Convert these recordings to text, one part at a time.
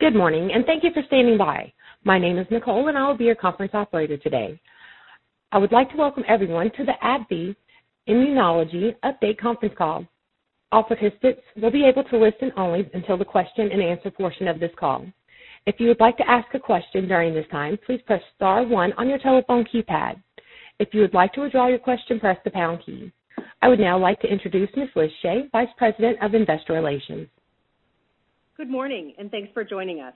Good morning, and thank you for standing by. My name is Nicole, and I will be your conference operator today. I would like to welcome everyone to the AbbVie Immunology Update Conference Call. All participants will be able to listen only until the question and answer portion of this call. If you would like to ask a question during this time, please press star one on your telephone keypad. If you would like to withdraw your question, press the pound key. I would now like to introduce Ms. Liz Shea, Vice President of Investor Relations. Good morning, and thanks for joining us.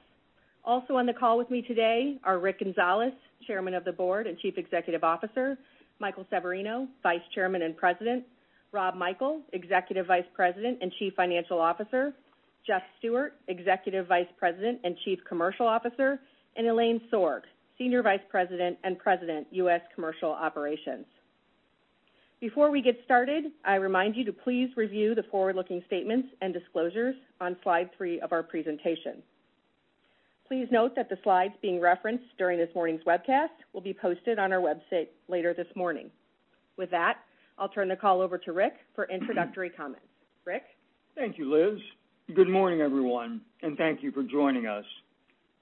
Also on the call with me today are Rick Gonzalez, Chairman of the Board and Chief Executive Officer, Michael Severino, Vice Chairman and President, Rob Michael, Executive Vice President and Chief Financial Officer, Jeff Stewart, Executive Vice President and Chief Commercial Officer, and Elaine Sorg, Senior Vice President and President, U.S. Commercial Operations. Before we get started, I remind you to please review the forward-looking statements and disclosures on slide three of our presentation. Please note that the slides being referenced during this morning's webcast will be posted on our website later this morning. With that, I'll turn the call over to Rick for introductory comments. Rick? Thank you, Liz. Good morning, everyone, and thank you for joining us.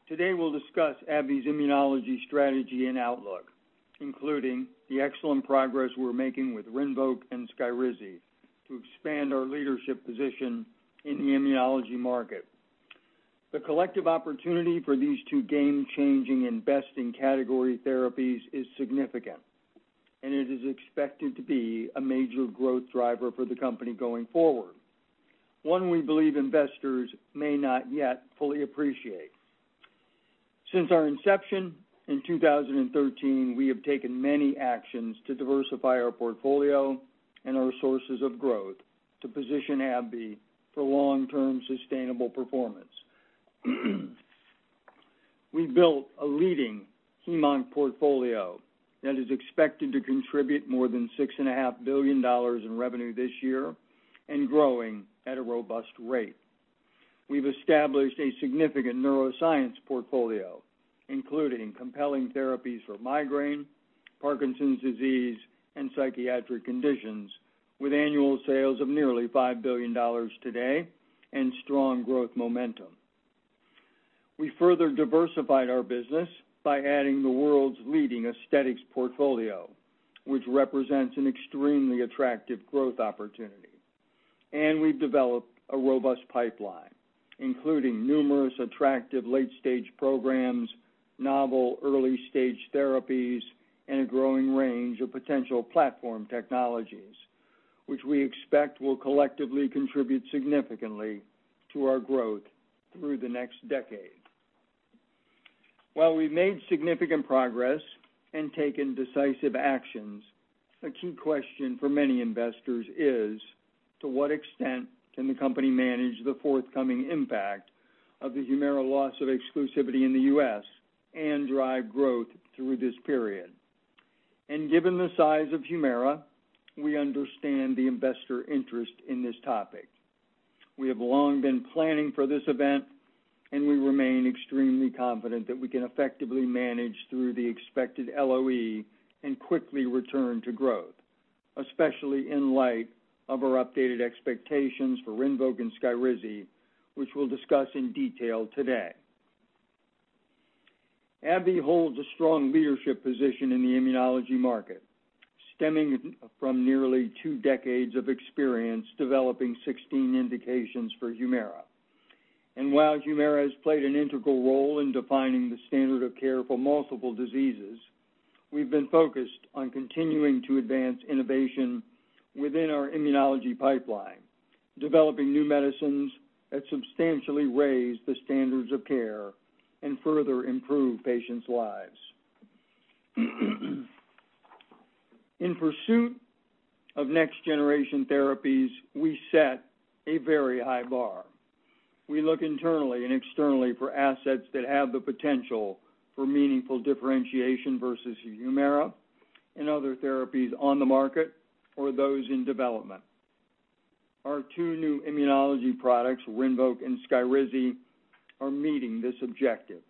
Today we'll discuss AbbVie's immunology strategy and outlook, including the excellent progress we're making with RINVOQ and SKYRIZI to expand our leadership position in the immunology market. The collective opportunity for these two game-changing and best-in-category therapies is significant, and it is expected to be a major growth driver for the company going forward. One we believe investors may not yet fully appreciate. Since our inception in 2013, we have taken many actions to diversify our portfolio and our sources of growth to position AbbVie for long-term sustainable performance. We built a leading hem-onc portfolio that is expected to contribute more than $6.5 billion in revenue this year and growing at a robust rate. We've established a significant neuroscience portfolio, including compelling therapies for migraine, Parkinson's disease, and psychiatric conditions, with annual sales of nearly $5 billion today and strong growth momentum. We further diversified our business by adding the world's leading aesthetics portfolio, which represents an extremely attractive growth opportunity. We've developed a robust pipeline, including numerous attractive late-stage programs, novel early-stage therapies, and a growing range of potential platform technologies, which we expect will collectively contribute significantly to our growth through the next decade. While we've made significant progress and taken decisive actions, a key question for many investors is, to what extent can the company manage the forthcoming impact of the HUMIRA loss of exclusivity in the U.S. and drive growth through this period? Given the size of HUMIRA, we understand the investor interest in this topic. We have long been planning for this event, we remain extremely confident that we can effectively manage through the expected LOE and quickly return to growth, especially in light of our updated expectations for RINVOQ and SKYRIZI, which we'll discuss in detail today. AbbVie holds a strong leadership position in the immunology market, stemming from nearly two decades of experience developing 16 indications for HUMIRA. While HUMIRA has played an integral role in defining the standard of care for multiple diseases, we've been focused on continuing to advance innovation within our immunology pipeline, developing new medicines that substantially raise the standards of care and further improve patients' lives. In pursuit of next-generation therapies, we set a very high bar. We look internally and externally for assets that have the potential for meaningful differentiation versus HUMIRA and other therapies on the market or those in development. Our two new immunology products, RINVOQ and SKYRIZI, are meeting this objective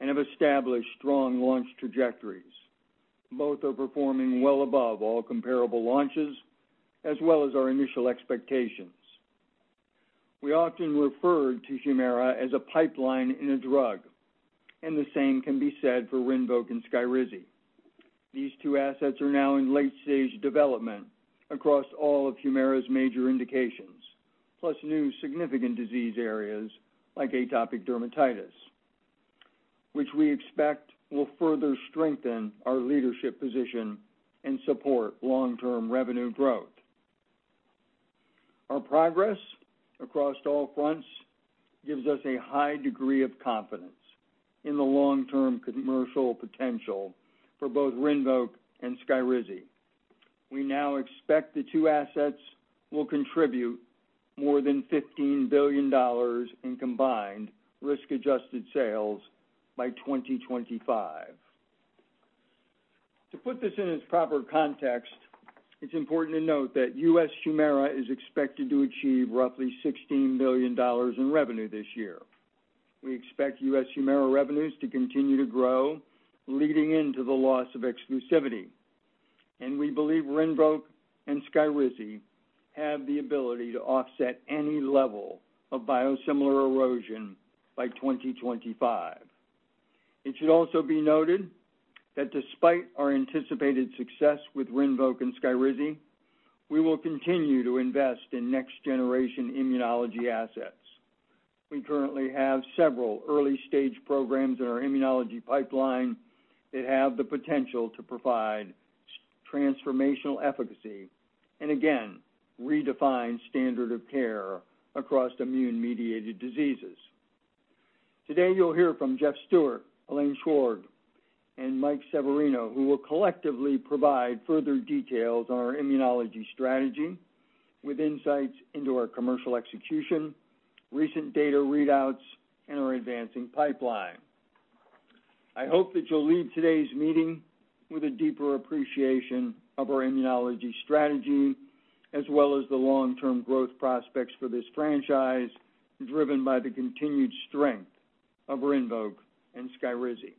and have established strong launch trajectories. Both are performing well above all comparable launches as well as our initial expectations. We often referred to HUMIRA as a pipeline in a drug. The same can be said for RINVOQ and SKYRIZI. These two assets are now in late-stage development across all of HUMIRA's major indications, plus new significant disease areas like atopic dermatitis, which we expect will further strengthen our leadership position and support long-term revenue growth. Our progress across all fronts gives us a high degree of confidence in the long-term commercial potential for both RINVOQ and SKYRIZI. We now expect the two assets will contribute more than $15 billion in combined risk-adjusted sales by 2025. To put this in its proper context, it's important to note that U.S. HUMIRA is expected to achieve roughly $16 billion in revenue this year. We expect U.S. HUMIRA revenues to continue to grow leading into the loss of exclusivity. We believe RINVOQ and SKYRIZI have the ability to offset any level of biosimilar erosion by 2025. It should also be noted that despite our anticipated success with RINVOQ and SKYRIZI, we will continue to invest in next-generation immunology assets. We currently have several early-stage programs in our immunology pipeline that have the potential to provide transformational efficacy and again, redefine standard of care across immune-mediated diseases. Today, you'll hear from Jeff Stewart, Elaine Sorg, and Mike Severino, who will collectively provide further details on our immunology strategy with insights into our commercial execution, recent data readouts, and our advancing pipeline. I hope that you'll leave today's meeting with a deeper appreciation of our immunology strategy, as well as the long-term growth prospects for this franchise, driven by the continued strength of RINVOQ and SKYRIZI.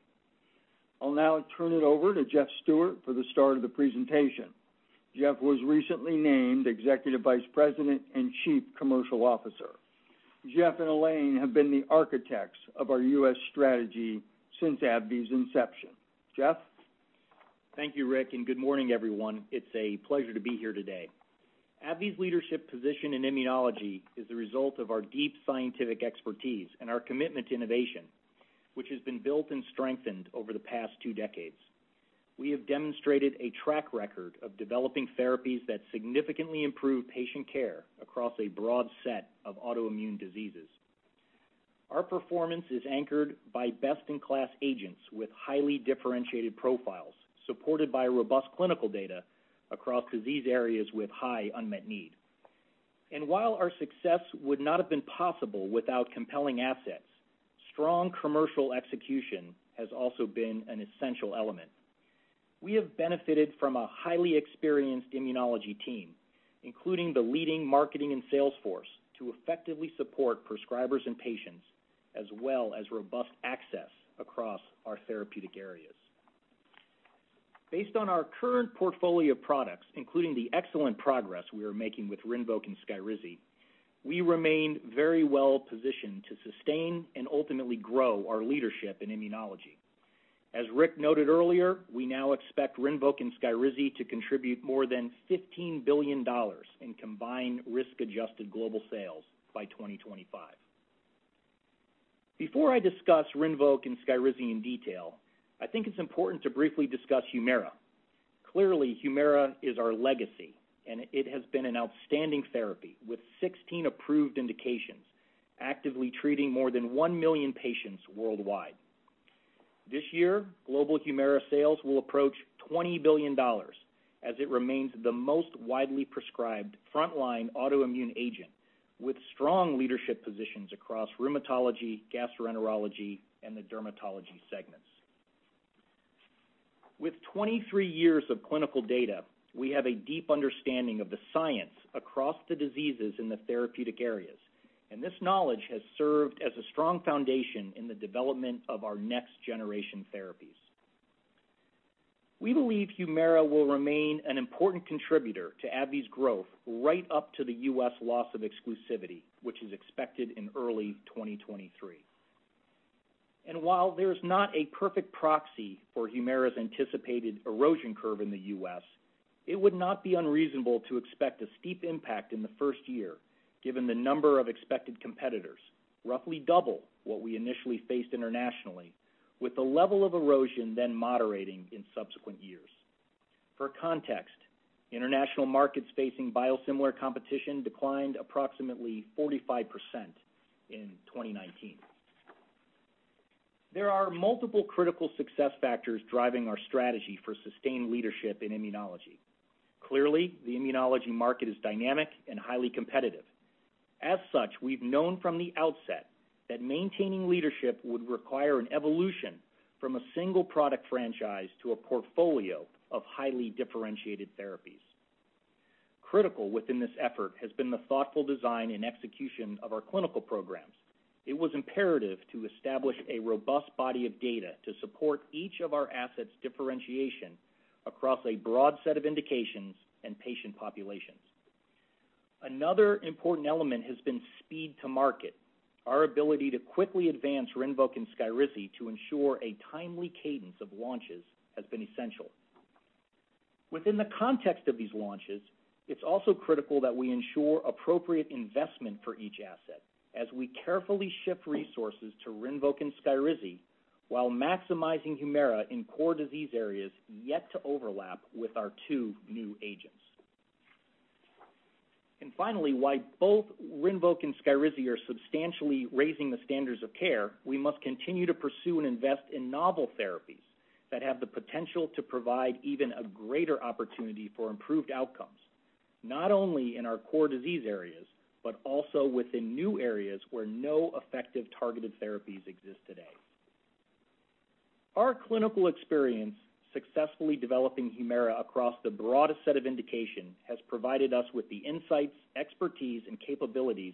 I'll now turn it over to Jeff Stewart for the start of the presentation. Jeff was recently named Executive Vice President and Chief Commercial Officer. Jeff and Elaine have been the architects of our U.S. strategy since AbbVie's inception. Jeff? Thank you, Rick, and good morning, everyone. It's a pleasure to be here today. AbbVie's leadership position in immunology is the result of our deep scientific expertise and our commitment to innovation, which has been built and strengthened over the past two decades. We have demonstrated a track record of developing therapies that significantly improve patient care across a broad set of autoimmune diseases. Our performance is anchored by best-in-class agents with highly differentiated profiles, supported by robust clinical data across disease areas with high unmet need. While our success would not have been possible without compelling assets, strong commercial execution has also been an essential element. We have benefited from a highly experienced immunology team, including the leading marketing and sales force, to effectively support prescribers and patients, as well as robust access across our therapeutic areas. Based on our current portfolio of products, including the excellent progress we are making with RINVOQ and SKYRIZI, we remain very well positioned to sustain and ultimately grow our leadership in immunology. As Rick noted earlier, we now expect RINVOQ and SKYRIZI to contribute more than $15 billion in combined risk-adjusted global sales by 2025. Before I discuss RINVOQ and SKYRIZI in detail, I think it's important to briefly discuss HUMIRA. Clearly, HUMIRA is our legacy, and it has been an outstanding therapy, with 16 approved indications, actively treating more than one million patients worldwide. This year, global HUMIRA sales will approach $20 billion, as it remains the most widely prescribed frontline autoimmune agent, with strong leadership positions across rheumatology, gastroenterology, and the dermatology segments. With 23 years of clinical data, we have a deep understanding of the science across the diseases in the therapeutic areas, and this knowledge has served as a strong foundation in the development of our next generation therapies. We believe HUMIRA will remain an important contributor to AbbVie's growth right up to the U.S. loss of exclusivity, which is expected in early 2023. While there's not a perfect proxy for HUMIRA's anticipated erosion curve in the U.S., it would not be unreasonable to expect a steep impact in the first year, given the number of expected competitors, roughly double what we initially faced internationally, with the level of erosion then moderating in subsequent years. For context, international markets facing biosimilar competition declined approximately 45% in 2019. There are multiple critical success factors driving our strategy for sustained leadership in immunology. Clearly, the immunology market is dynamic and highly competitive. As such, we've known from the outset that maintaining leadership would require an evolution from a single product franchise to a portfolio of highly differentiated therapies. Critical within this effort has been the thoughtful design and execution of our clinical programs. It was imperative to establish a robust body of data to support each of our assets' differentiation across a broad set of indications and patient populations. Another important element has been speed to market. Our ability to quickly advance RINVOQ and SKYRIZI to ensure a timely cadence of launches has been essential. Within the context of these launches, it's also critical that we ensure appropriate investment for each asset as we carefully shift resources to RINVOQ and SKYRIZI while maximizing HUMIRA in core disease areas, yet to overlap with our two new agents. Finally, while both RINVOQ and SKYRIZI are substantially raising the standards of care, we must continue to pursue and invest in novel therapies that have the potential to provide even a greater opportunity for improved outcomes, not only in our core disease areas, but also within new areas where no effective targeted therapies exist today. Our clinical experience successfully developing HUMIRA across the broadest set of indication has provided us with the insights, expertise, and capabilities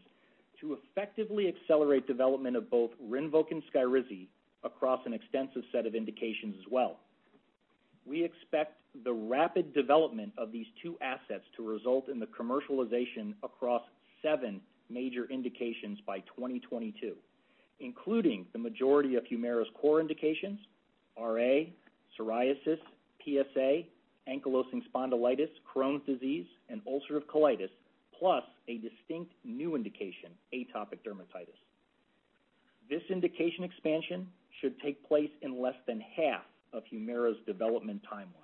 to effectively accelerate development of both RINVOQ and SKYRIZI across an extensive set of indications as well. We expect the rapid development of these two assets to result in the commercialization across seven major indications by 2022, including the majority of HUMIRA's core indications, RA, psoriasis, PsA, ankylosing spondylitis, Crohn's disease, and ulcerative colitis, plus a distinct new indication, atopic dermatitis. This indication expansion should take place in less than half of HUMIRA's development timeline.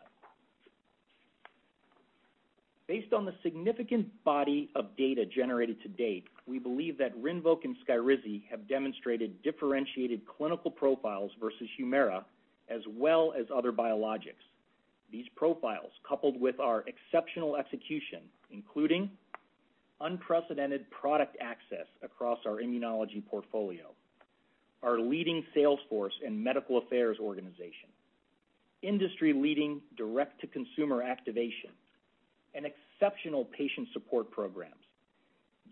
Based on the significant body of data generated to date, we believe that RINVOQ and SKYRIZI have demonstrated differentiated clinical profiles versus HUMIRA as well as other biologics. These profiles, coupled with our exceptional execution, including unprecedented product access across our immunology portfolio, our leading sales force and medical affairs organization, industry-leading direct-to-consumer activation, and exceptional patient support programs,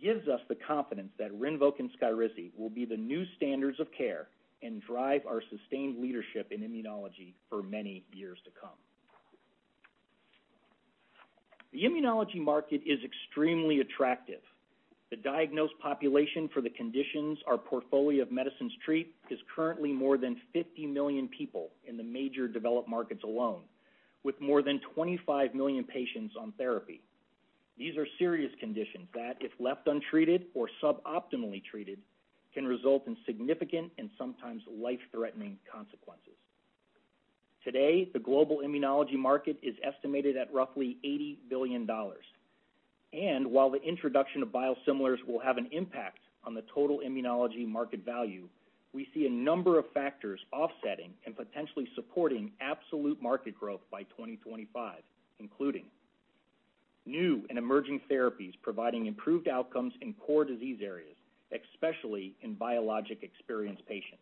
gives us the confidence that RINVOQ and SKYRIZI will be the new standards of care and drive our sustained leadership in immunology for many years to come. The immunology market is extremely attractive. The diagnosed population for the conditions our portfolio of medicines treat is currently more than 50 million people in the major developed markets alone, with more than 25 million patients on therapy. These are serious conditions that, if left untreated or suboptimally treated, can result in significant and sometimes life-threatening consequences. Today, the global immunology market is estimated at roughly $80 billion. While the introduction of biosimilars will have an impact on the total immunology market value, we see a number of factors offsetting and potentially supporting absolute market growth by 2025, including new and emerging therapies providing improved outcomes in core disease areas, especially in biologic-experienced patients;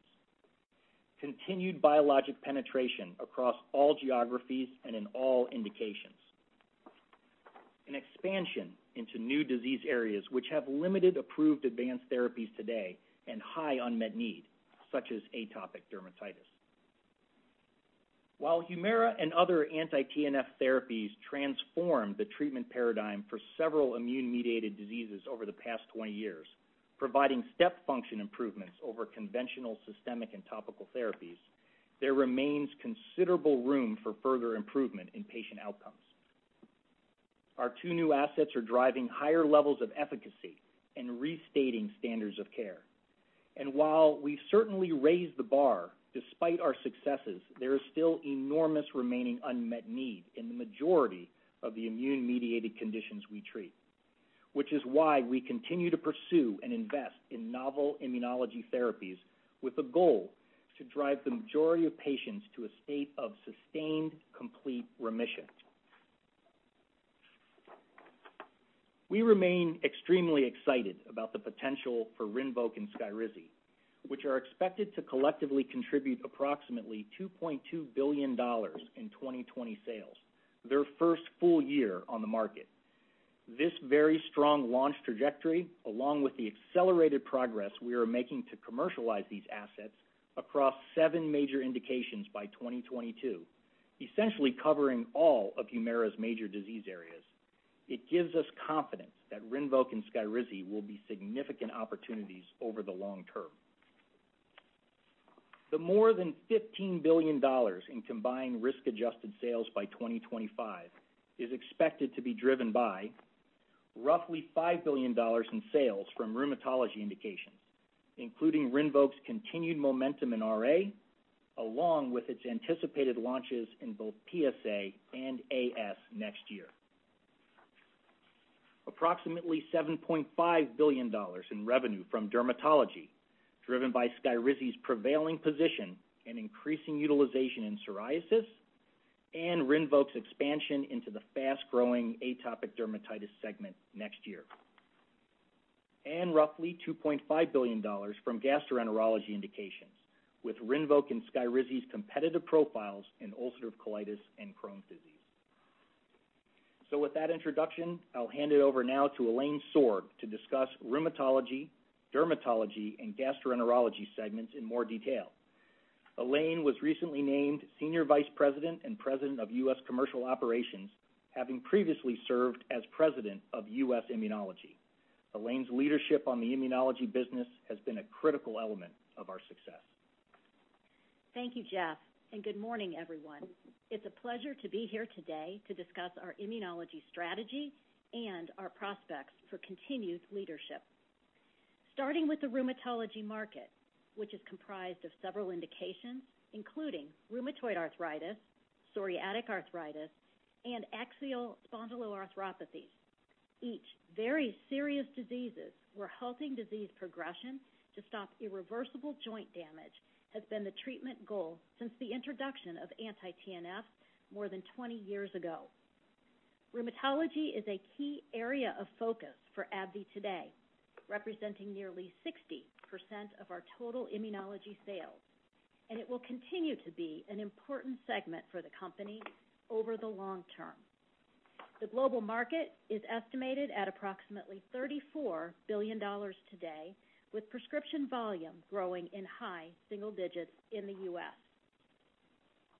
continued biologic penetration across all geographies and in all indications; an expansion into new disease areas which have limited approved advanced therapies today and high unmet need, such as atopic dermatitis. While HUMIRA and other anti-TNF therapies transformed the treatment paradigm for several immune-mediated diseases over the past 20 years, providing step function improvements over conventional systemic and topical therapies, there remains considerable room for further improvement in patient outcomes. Our two new assets are driving higher levels of efficacy and restating standards of care. While we certainly raised the bar, despite our successes, there is still an enormous remaining unmet need in the majority of the immune-mediated conditions we treat, which is why we continue to pursue and invest in novel immunology therapies with the goal to drive the majority of patients to a state of sustained complete remission. We remain extremely excited about the potential for RINVOQ and SKYRIZI, which are expected to collectively contribute approximately $2.2 billion in 2020 sales, their first full year on the market. This very strong launch trajectory, along with the accelerated progress we are making to commercialize these assets across seven major indications by 2022, essentially covering all of HUMIRA's major disease areas, it gives us confidence that RINVOQ and SKYRIZI will be significant opportunities over the long term. The more than $15 billion in combined risk-adjusted sales by 2025 is expected to be driven by roughly $5 billion in sales from rheumatology indications, including RINVOQ's continued momentum in RA, along with its anticipated launches in both PsA and AS next year. Approximately $7.5 billion in revenue from dermatology, driven by SKYRIZI's prevailing position and increasing utilization in psoriasis and RINVOQ's expansion into the fast-growing atopic dermatitis segment next year. Roughly $2.5 billion from gastroenterology indications with RINVOQ and SKYRIZI's competitive profiles in ulcerative colitis and Crohn's disease. With that introduction, I'll hand it over now to Elaine Sorg to discuss rheumatology, dermatology, and gastroenterology segments in more detail. Elaine was recently named senior vice president and president of US Commercial Operations, having previously served as President of U.S. Immunology. Elaine's leadership on the immunology business has been a critical element of our success. Thank you, Jeff, and good morning, everyone. It's a pleasure to be here today to discuss our immunology strategy and our prospects for continued leadership. Starting with the rheumatology market, which is comprised of several indications, including rheumatoid arthritis, psoriatic arthritis, and axial spondyloarthropathies. Each very serious diseases where halting disease progression to stop irreversible joint damage has been the treatment goal since the introduction of anti-TNFs more than 20 years ago. Rheumatology is a key area of focus for AbbVie today, representing nearly 60% of our total immunology sales, and it will continue to be an important segment for the company over the long term. The global market is estimated at approximately $34 billion today, with prescription volume growing in high single-digits in the U.S.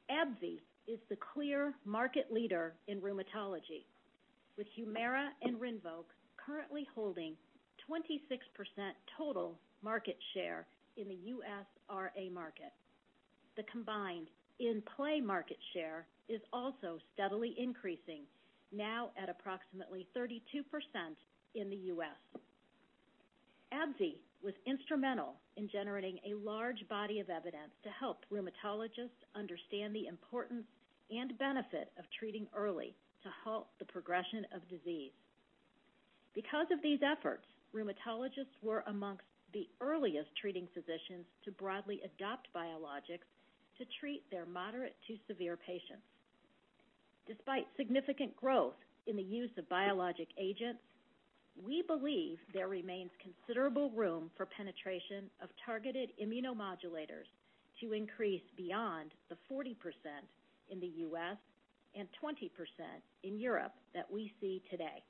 AbbVie is the clear market leader in rheumatology, with HUMIRA and RINVOQ currently holding 26% total market share in the U.S. RA market. The combined in-play market share is also steadily increasing, now at approximately 32% in the U.S.. AbbVie was instrumental in generating a large body of evidence to help rheumatologists understand the importance and benefit of treating early to halt the progression of disease. Because of these efforts, rheumatologists were amongst the earliest treating physicians to broadly adopt biologics to treat their moderate to severe patients. Despite significant growth in the use of biologic agents, we believe there remains considerable room for penetration of targeted immunomodulators to increase beyond the 40% in the U.S. and 20% in Europe that we see today.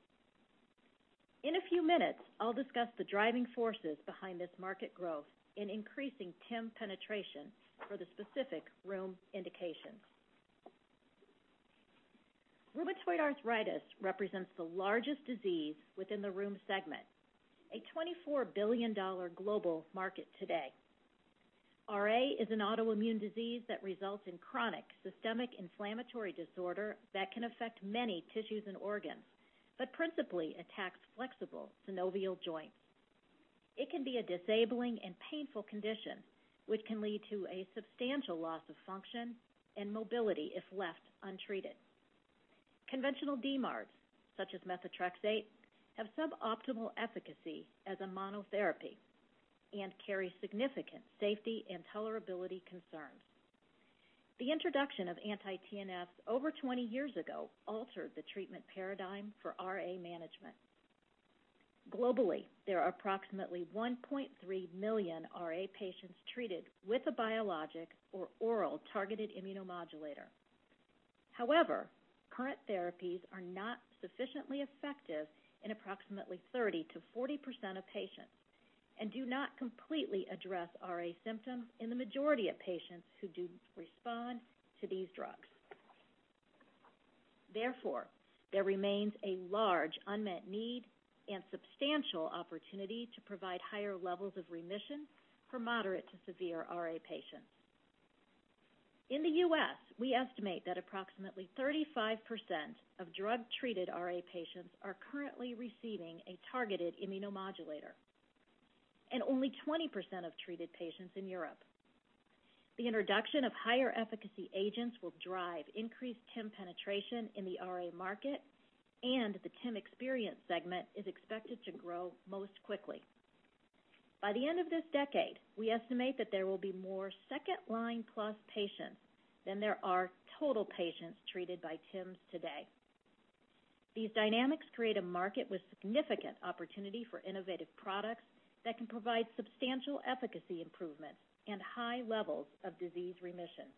In a few minutes, I'll discuss the driving forces behind this market growth in increasing TIM penetration for the specific rheum indications. Rheumatoid arthritis represents the largest disease within the rheum segment, a $24 billion global market today. RA is an autoimmune disease that results in a chronic systemic inflammatory disorder that can affect many tissues and organs, but principally attacks flexible synovial joints. It can be a disabling and painful condition, which can lead to a substantial loss of function and mobility if left untreated. Conventional DMARDs, such as methotrexate, have suboptimal efficacy as a monotherapy and carry significant safety and tolerability concerns. The introduction of anti-TNFs over 20 years ago altered the treatment paradigm for RA management. Globally, there are approximately 1.3 million RA patients treated with a biologic or oral targeted immunomodulator. However, current therapies are not sufficiently effective in approximately 30%-40% of patients and do not completely address RA symptoms in the majority of patients who do respond to these drugs. Therefore, there remains a large unmet need and substantial opportunity to provide higher levels of remission for moderate to severe RA patients. In the U.S., we estimate that approximately 35% of drug-treated RA patients are currently receiving a targeted immunomodulator, and only 20% of treated patients in Europe. The introduction of higher-efficacy agents will drive increased TIM penetration in the RA market, and the TIM experience segment is expected to grow most quickly. By the end of this decade, we estimate that there will be more second-line plus patients than there are total patients treated by TIMs today. These dynamics create a market with significant opportunity for innovative products that can provide substantial efficacy improvements and high levels of disease remission.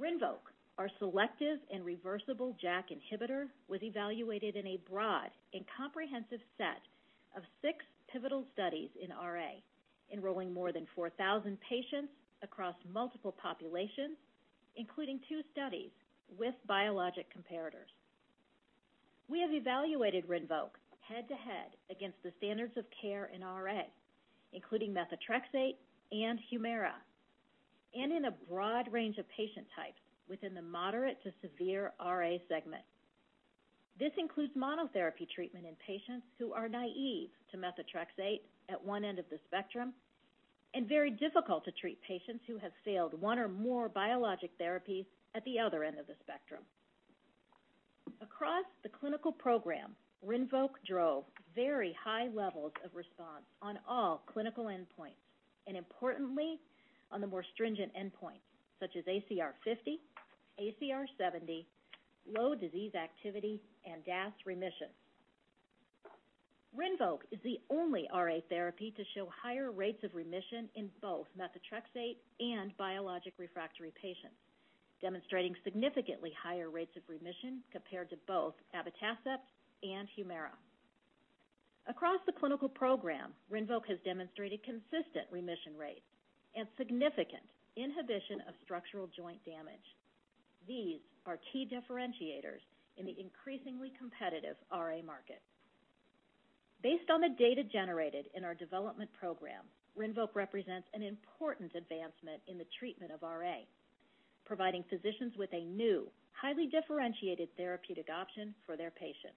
RINVOQ, our selective and reversible JAK inhibitor, was evaluated in a broad and comprehensive set of six pivotal studies in RA, enrolling more than 4,000 patients across multiple populations, including two studies with biologic comparators. We have evaluated RINVOQ head-to-head against the standards of care in RA, including methotrexate and HUMIRA, and in a broad range of patient types within the moderate to severe RA segment. This includes monotherapy treatment in patients who are naive to methotrexate at one end of the spectrum and very difficult-to-treat patients who have failed one or more biologic therapies at the other end of the spectrum. Across the clinical program, RINVOQ drove very high levels of response on all clinical endpoints, and importantly, on the more stringent endpoint, such as ACR 50, ACR 70, low disease activity, and DAS remissions. RINVOQ is the only RA therapy to show higher rates of remission in both methotrexate and biologic refractory patients, demonstrating significantly higher rates of remission compared to both abatacept and HUMIRA. Across the clinical program, RINVOQ has demonstrated consistent remission rates and significant inhibition of structural joint damage. These are key differentiators in the increasingly competitive RA market. Based on the data generated in our development program, RINVOQ represents an important advancement in the treatment of RA, providing physicians with a new, highly differentiated therapeutic option for their patients.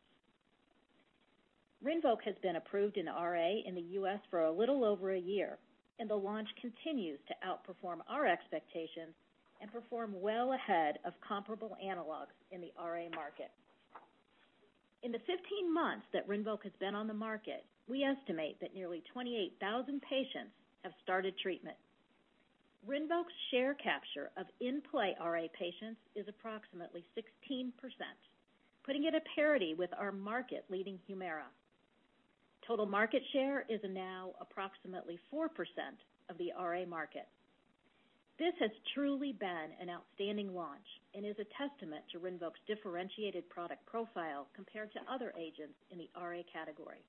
RINVOQ has been approved in RA in the U.S. for a little over a year. The launch continues to outperform our expectations and perform well ahead of comparable analogs in the RA market. In the 15 months that RINVOQ has been on the market, we estimate that nearly 28,000 patients have started treatment. RINVOQ's share capture of in-play RA patients is approximately 16%, putting it at parity with our market-leading HUMIRA. Total market share is now approximately 4% of the RA market. This has truly been an outstanding launch and is a testament to RINVOQ's differentiated product profile compared to other agents in the RA category.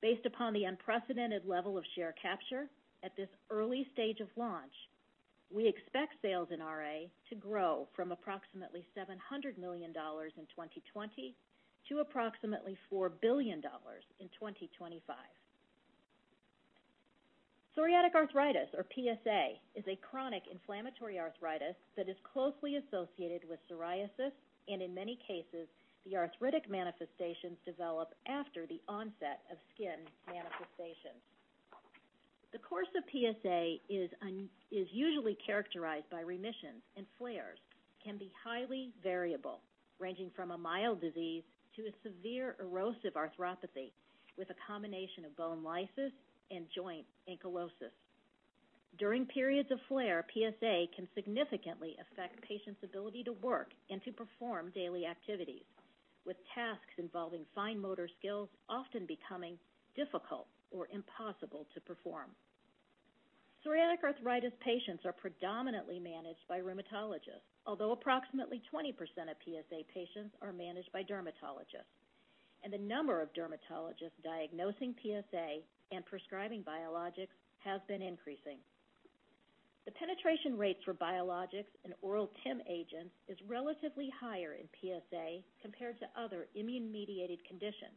Based upon the unprecedented level of share capture at this early stage of launch, we expect sales in RA to grow from approximately $700 million in 2020 to approximately $4 billion in 2025. Psoriatic arthritis, or PsA, is a chronic inflammatory arthritis that is closely associated with psoriasis, and in many cases, the arthritic manifestations develop after the onset of skin manifestations. The course of PsA is usually characterized by remissions and flares, and can be highly variable, ranging from a mild disease to a severe erosive arthropathy with a combination of bone lysis and joint ankylosis. During periods of flare, PsA can significantly affect patients' ability to work and to perform daily activities, with tasks involving fine motor skills often becoming difficult or impossible to perform. Psoriatic arthritis patients are predominantly managed by rheumatologists, although approximately 20% of PsA patients are managed by dermatologists, and the number of dermatologists diagnosing PsA and prescribing biologics has been increasing. The penetration rates for biologics and oral TIM agents is relatively higher in PsA compared to other immune-mediated conditions,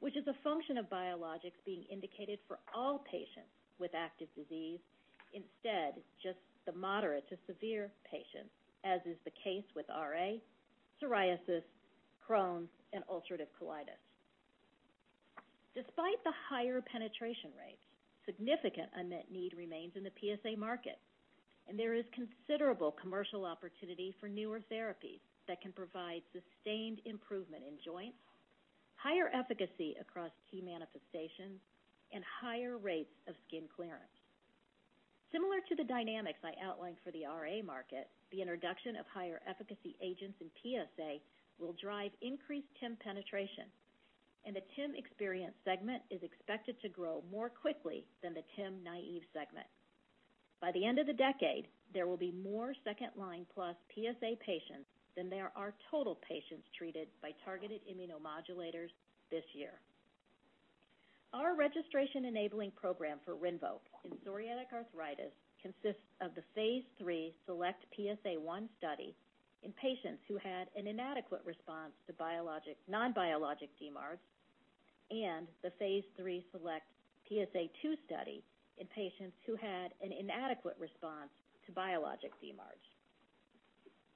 which is a function of biologics being indicated for all patients with active disease instead just the moderate to severe patients, as is the case with RA, psoriasis, Crohn's, and ulcerative colitis. Despite the higher penetration rates, a significant unmet need remains in the PsA market, and there is considerable commercial opportunity for newer therapies that can provide sustained improvement in joints, higher efficacy across key manifestations, and higher rates of skin clearance. Similar to the dynamics I outlined for the RA market, the introduction of higher efficacy agents in PsA will drive increased TIM penetration, and the TIM-experienced segment is expected to grow more quickly than the TIM-naive segment. By the end of the decade, there will be more 2L+ PsA patients than there are total patients treated by targeted immunomodulators this year. Our registration enabling program for RINVOQ in psoriatic arthritis consists of the phase III SELECT-PsA 1 study in patients who had an inadequate response to non-biologic DMARDs and the phase III SELECT-PsA 2 study in patients who had an inadequate response to biologic DMARDs.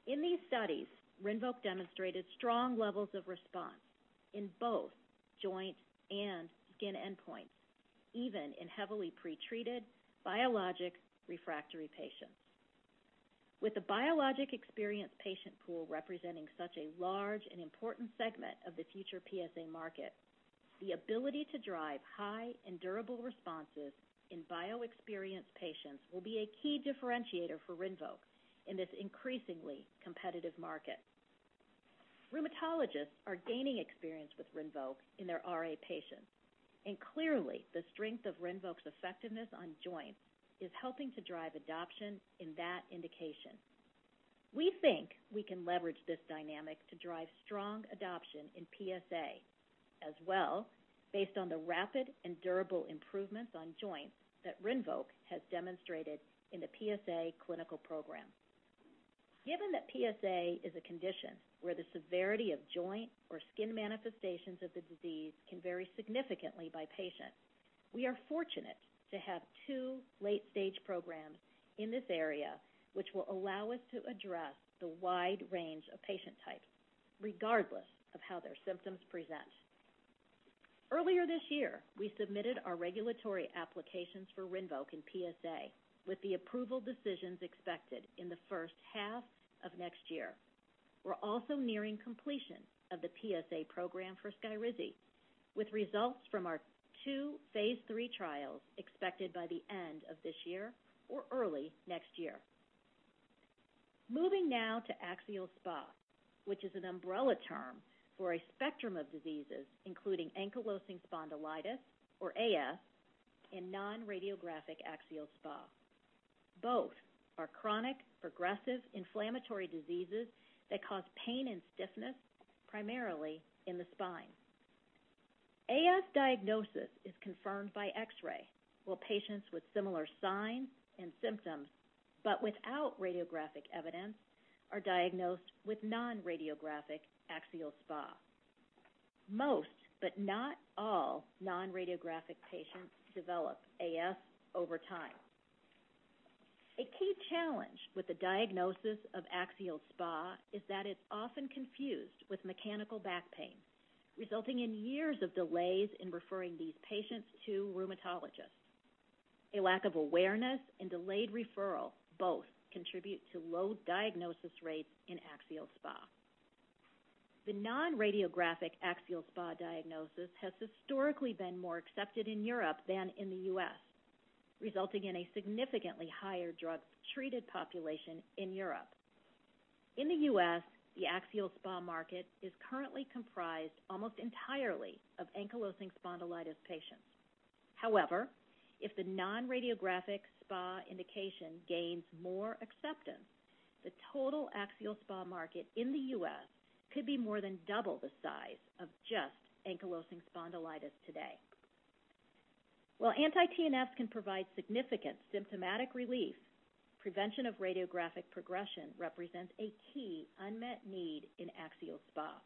In these studies, RINVOQ demonstrated strong levels of response in both joint and skin endpoints, even in heavily pretreated biologic refractory patients. With the biologic-experienced patient pool representing such a large and important segment of the future PsA market, the ability to drive high and durable responses in bio-experienced patients will be a key differentiator for RINVOQ in this increasingly competitive market. Rheumatologists are gaining experience with RINVOQ in their RA patients, and clearly, the strength of RINVOQ's effectiveness on joints is helping to drive adoption in that indication. We think we can leverage this dynamic to drive strong adoption in PsA as well, based on the rapid and durable improvements on joints that RINVOQ has demonstrated in the PsA clinical program. Given that PsA is a condition where the severity of joint or skin manifestations of the disease can vary significantly by patient, we are fortunate to have two late-stage programs in this area, which will allow us to address the wide range of patient types, regardless of how their symptoms present. Earlier this year, we submitted our regulatory applications for RINVOQ in PsA, with the approval decisions expected in the first half of next year. We're also nearing completion of the PsA program for SKYRIZI, with results from our two phase III trials expected by the end of this year or early next year. Moving now to axial SpA, which is an umbrella term for a spectrum of diseases, including ankylosing spondylitis, or AS, and non-radiographic axial SpA. Both are chronic, progressive inflammatory diseases that cause pain and stiffness, primarily in the spine. AS diagnosis is confirmed by X-ray, while patients with similar signs and symptoms but without radiographic evidence are diagnosed with non-radiographic axial SpA. Most, but not all, non-radiographic patients develop AS over time. A key challenge with the diagnosis of axial SpA is that it's often confused with mechanical back pain, resulting in years of delays in referring these patients to rheumatologists. A lack of awareness and delayed referral both contribute to low diagnosis rates in axial SpA. The non-radiographic axial SpA diagnosis has historically been more accepted in Europe than in the U.S., resulting in a significantly higher drug-treated population in Europe. In the U.S., the axial SpA market is currently comprised almost entirely of ankylosing spondylitis patients. However, if the non-radiographic SpA indication gains more acceptance, the total axial SpA market in the U.S. could be more than double the size of just ankylosing spondylitis today. While anti-TNF can provide significant symptomatic relief, prevention of radiographic progression represents a key unmet need in axial SpA.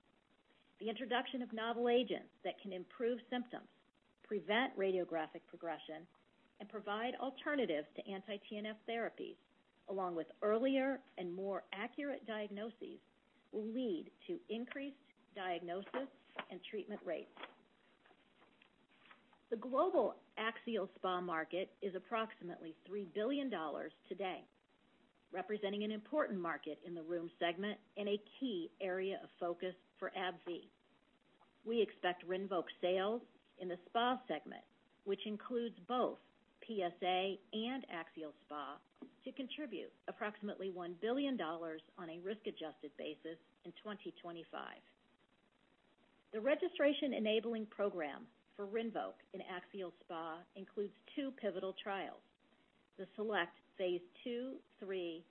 The introduction of novel agents that can improve symptoms, prevent radiographic progression, and provide alternatives to anti-TNF therapies, along with earlier and more accurate diagnoses, will lead to increased diagnosis and treatment rates. The global axial SpA market is approximately $3 billion today, representing an important market in the rheum segment and a key area of focus for AbbVie. We expect RINVOQ sales in the SpA segment, which includes both PsA and axial SpA, to contribute approximately $1 billion on a risk-adjusted basis in 2025. The registration-enabling program for RINVOQ in axial SpA includes two pivotal trials, the SELECT phase II/III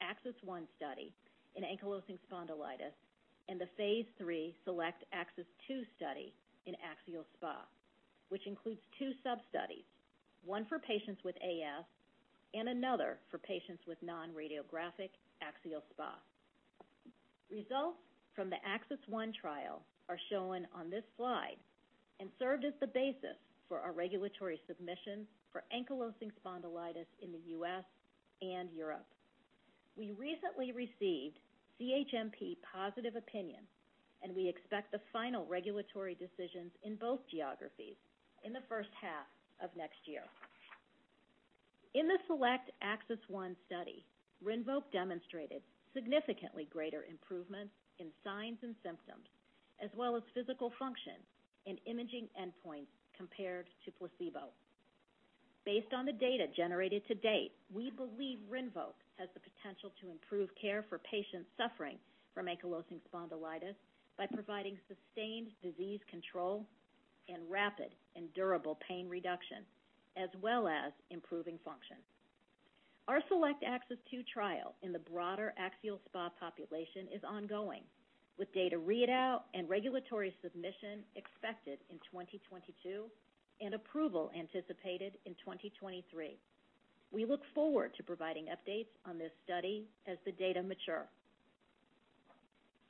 AXIS 1 study in ankylosing spondylitis and the phase III SELECT-AXIS 2 study in axial SpA, which includes two sub-studies, one for patients with AS and another for patients with non-radiographic axial SpA. Results from the AXIS 1 trial are shown on this slide and served as the basis for our regulatory submissions for ankylosing spondylitis in the U.S. and Europe. We recently received CHMP positive opinion, and we expect the final regulatory decisions in both geographies in the first half of next year. In the SELECT-AXIS 1 study, RINVOQ demonstrated significantly greater improvements in signs and symptoms as well as physical function and imaging endpoints compared to placebo. Based on the data generated to date, we believe RINVOQ has the potential to improve care for patients suffering from ankylosing spondylitis by providing sustained disease control and rapid and durable pain reduction, as well as improving function. Our SELECT-AXIS 2 trial in the broader axial SpA population is ongoing, with data readout and regulatory submission expected in 2022 and approval anticipated in 2023. We look forward to providing updates on this study as the data mature.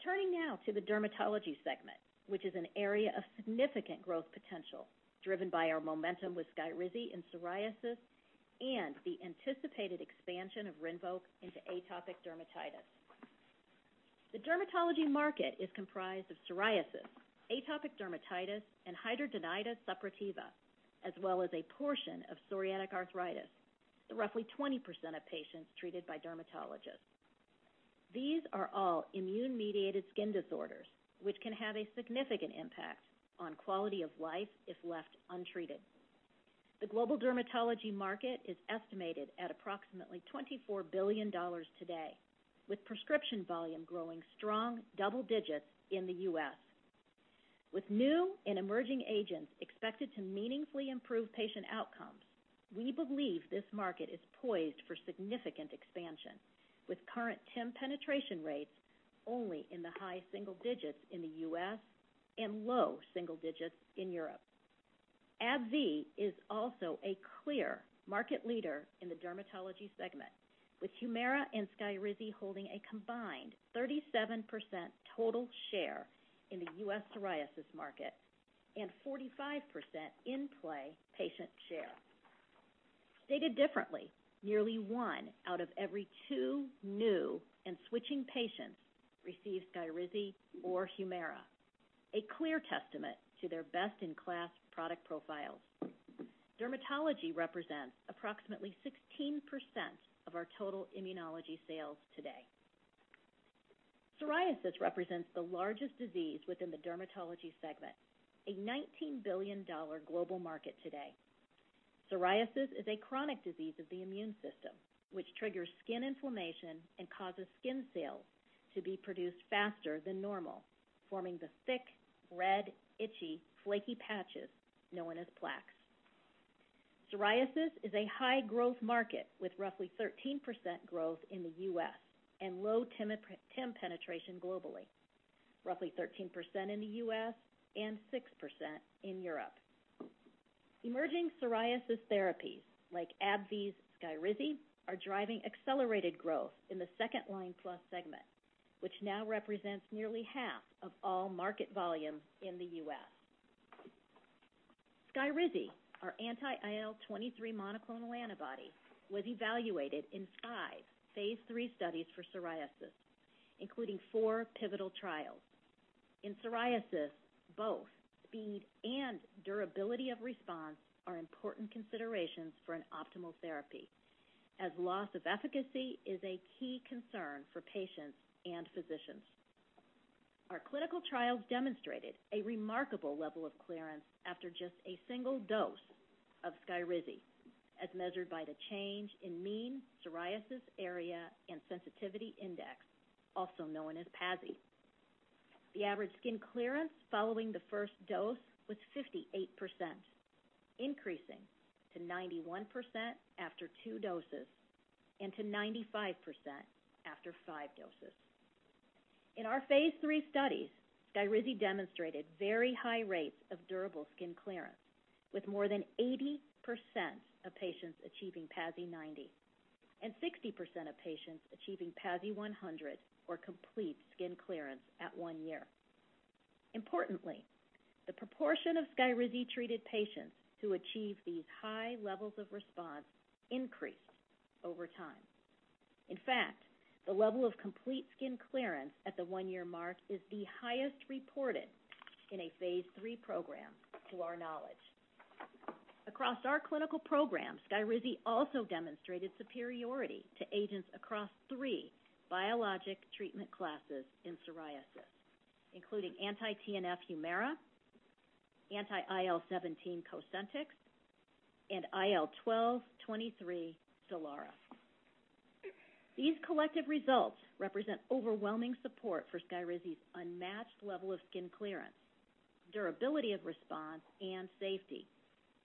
Turning now to the dermatology segment, which is an area of significant growth potential driven by our momentum with SKYRIZI in psoriasis and the anticipated expansion of RINVOQ into atopic dermatitis. The dermatology market is comprised of psoriasis, atopic dermatitis, and hidradenitis suppurativa, as well as a portion of psoriatic arthritis, the roughly 20% of patients treated by dermatologists. These are all immune-mediated skin disorders, which can have a significant impact on quality of life if left untreated. The global dermatology market is estimated at approximately $24 billion today, with prescription volume growing strong double-digits in the U.S. With new and emerging agents expected to meaningfully improve patient outcomes, we believe this market is poised for significant expansion, with current TIM penetration rates only in the high single -digits in the U.S. and low single-digits in Europe. AbbVie is also a clear market leader in the dermatology segment, with HUMIRA and SKYRIZI holding a combined 37% total share in the U.S. psoriasis market and 45% in-play patient share. Stated differently, nearly one out of every two new and switching patients receive SKYRIZI or HUMIRA, a clear testament to their best-in-class product profiles. Dermatology represents approximately 16% of our total immunology sales today. Psoriasis represents the largest disease within the dermatology segment, a $19 billion global market today. Psoriasis is a chronic disease of the immune system, which triggers skin inflammation and causes skin cells to be produced faster than normal, forming the thick, red, itchy, flaky patches known as plaques. Psoriasis is a high-growth market with roughly 13% growth in the U.S. and low TIM penetration globally, roughly 13% in the U.S. and 6% in Europe. Emerging psoriasis therapies like AbbVie's SKYRIZI are driving accelerated growth in the second-line plus segment, which now represents nearly half of all market volume in the U.S.. SKYRIZI, our anti-IL-23 monoclonal antibody, was evaluated in five phase III studies for psoriasis, including four pivotal trials. In psoriasis, both speed and durability of response are important considerations for an optimal therapy, as loss of efficacy is a key concern for patients and physicians. Our clinical trials demonstrated a remarkable level of clearance after just a single dose of SKYRIZI, as measured by the change in mean psoriasis area and sensitivity index, also known as PASI. The average skin clearance following the first dose was 58%, increasing to 91% after two doses and to 95% after five doses. In our phase III studies, SKYRIZI demonstrated very high rates of durable skin clearance, with more than 80% of patients achieving PASI 90 and 60% of patients achieving PASI 100 or complete skin clearance at one year. Importantly, the proportion of SKYRIZI-treated patients who achieve these high levels of response increased over time. In fact, the level of complete skin clearance at the one-year mark is the highest reported in a phase III program to our knowledge. Across our clinical program, SKYRIZI also demonstrated superiority to agents across three biologic treatment classes in psoriasis, including anti-TNF HUMIRA, anti-IL-17 COSENTYX, and IL-12/23 STELARA. These collective results represent overwhelming support for SKYRIZI's unmatched level of skin clearance, durability of response, and safety,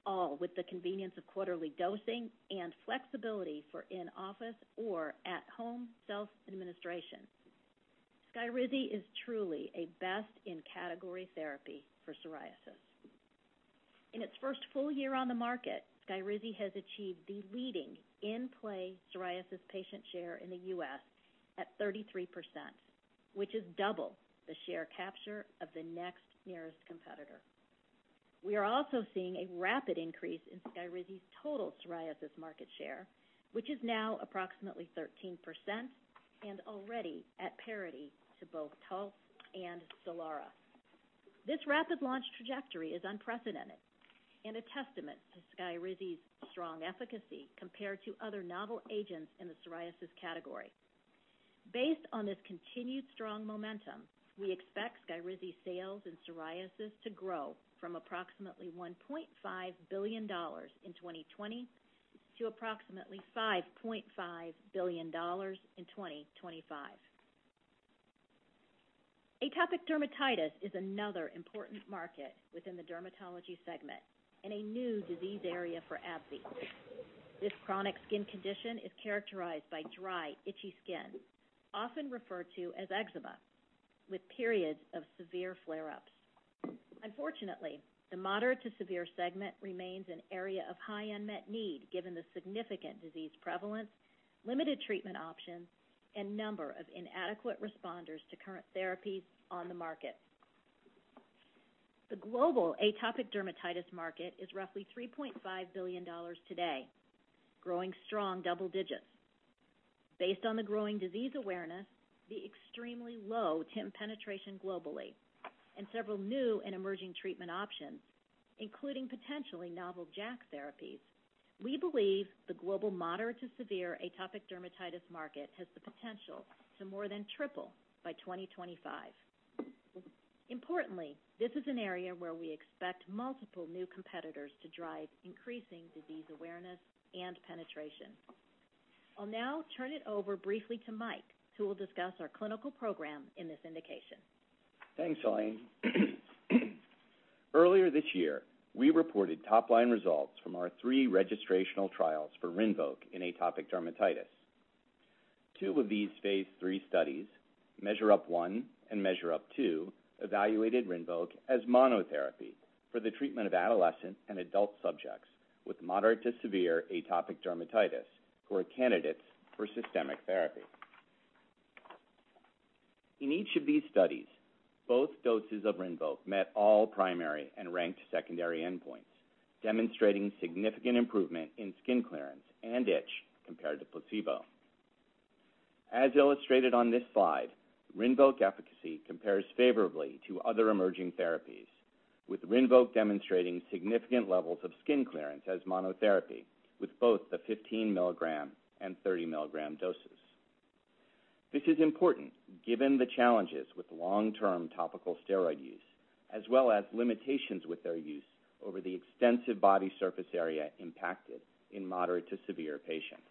all with the convenience of quarterly dosing and flexibility for in-office or at-home self-administration. SKYRIZI is truly a best-in-category therapy for psoriasis. In its first full year on the market, SKYRIZI has achieved the leading in-play psoriasis patient share in the U.S. at 33%, which is double the share capture of the next nearest competitor. We are also seeing a rapid increase in SKYRIZI's total psoriasis market share, which is now approximately 13% and already at parity to both TALTZ and STELARA. This rapid launch trajectory is unprecedented and a testament to SKYRIZI's strong efficacy compared to other novel agents in the psoriasis category. Based on this continued strong momentum, we expect SKYRIZI sales in psoriasis to grow from approximately $1.5 billion in 2020 to approximately $5.5 billion in 2025. Atopic dermatitis is another important market within the dermatology segment and a new disease area for AbbVie. This chronic skin condition is characterized by dry, itchy skin, often referred to as eczema, with periods of severe flare-ups. Unfortunately, the moderate-to-severe segment remains an area of high unmet need given the significant disease prevalence, limited treatment options, and number of inadequate responders to current therapies on the market. The global atopic dermatitis market is roughly $3.5 billion today, growing strong double digits. Based on the growing disease awareness, the extremely low TIM penetration globally, and several new and emerging treatment options, including potentially novel JAK therapies, we believe the global moderate-to-severe atopic dermatitis market has the potential to more than triple by 2025. Importantly, this is an area where we expect multiple new competitors to drive increasing disease awareness and penetration. I'll now turn it over briefly to Mike, who will discuss our clinical program in this indication. Thanks, Elaine. Earlier this year, we reported top-line results from our three registrational trials for RINVOQ in atopic dermatitis. Two of these phase III studies, Measure Up 1 and Measure Up 2, evaluated RINVOQ as monotherapy for the treatment of adolescent and adult subjects with moderate to severe atopic dermatitis who are candidates for systemic therapy. In each of these studies, both doses of RINVOQ met all primary and ranked secondary endpoints, demonstrating significant improvement in skin clearance and itch compared to placebo. As illustrated on this slide, RINVOQ efficacy compares favorably to other emerging therapies, with RINVOQ demonstrating significant levels of skin clearance as monotherapy with both the 15 mg and 30 mg doses. This is important given the challenges with long-term topical steroid use, as well as limitations with their use over the extensive body surface area impacted in moderate to severe patients.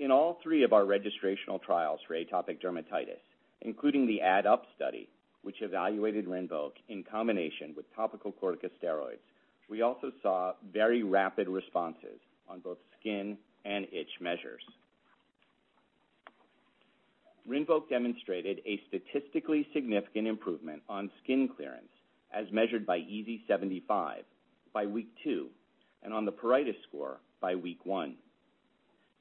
In all three of our registrational trials for atopic dermatitis, including the AD Up study, which evaluated RINVOQ in combination with topical corticosteroids, we also saw very rapid responses on both skin and itch measures. RINVOQ demonstrated a statistically significant improvement on skin clearance, as measured by EASI 75 by week two, and on the pruritus score by week one.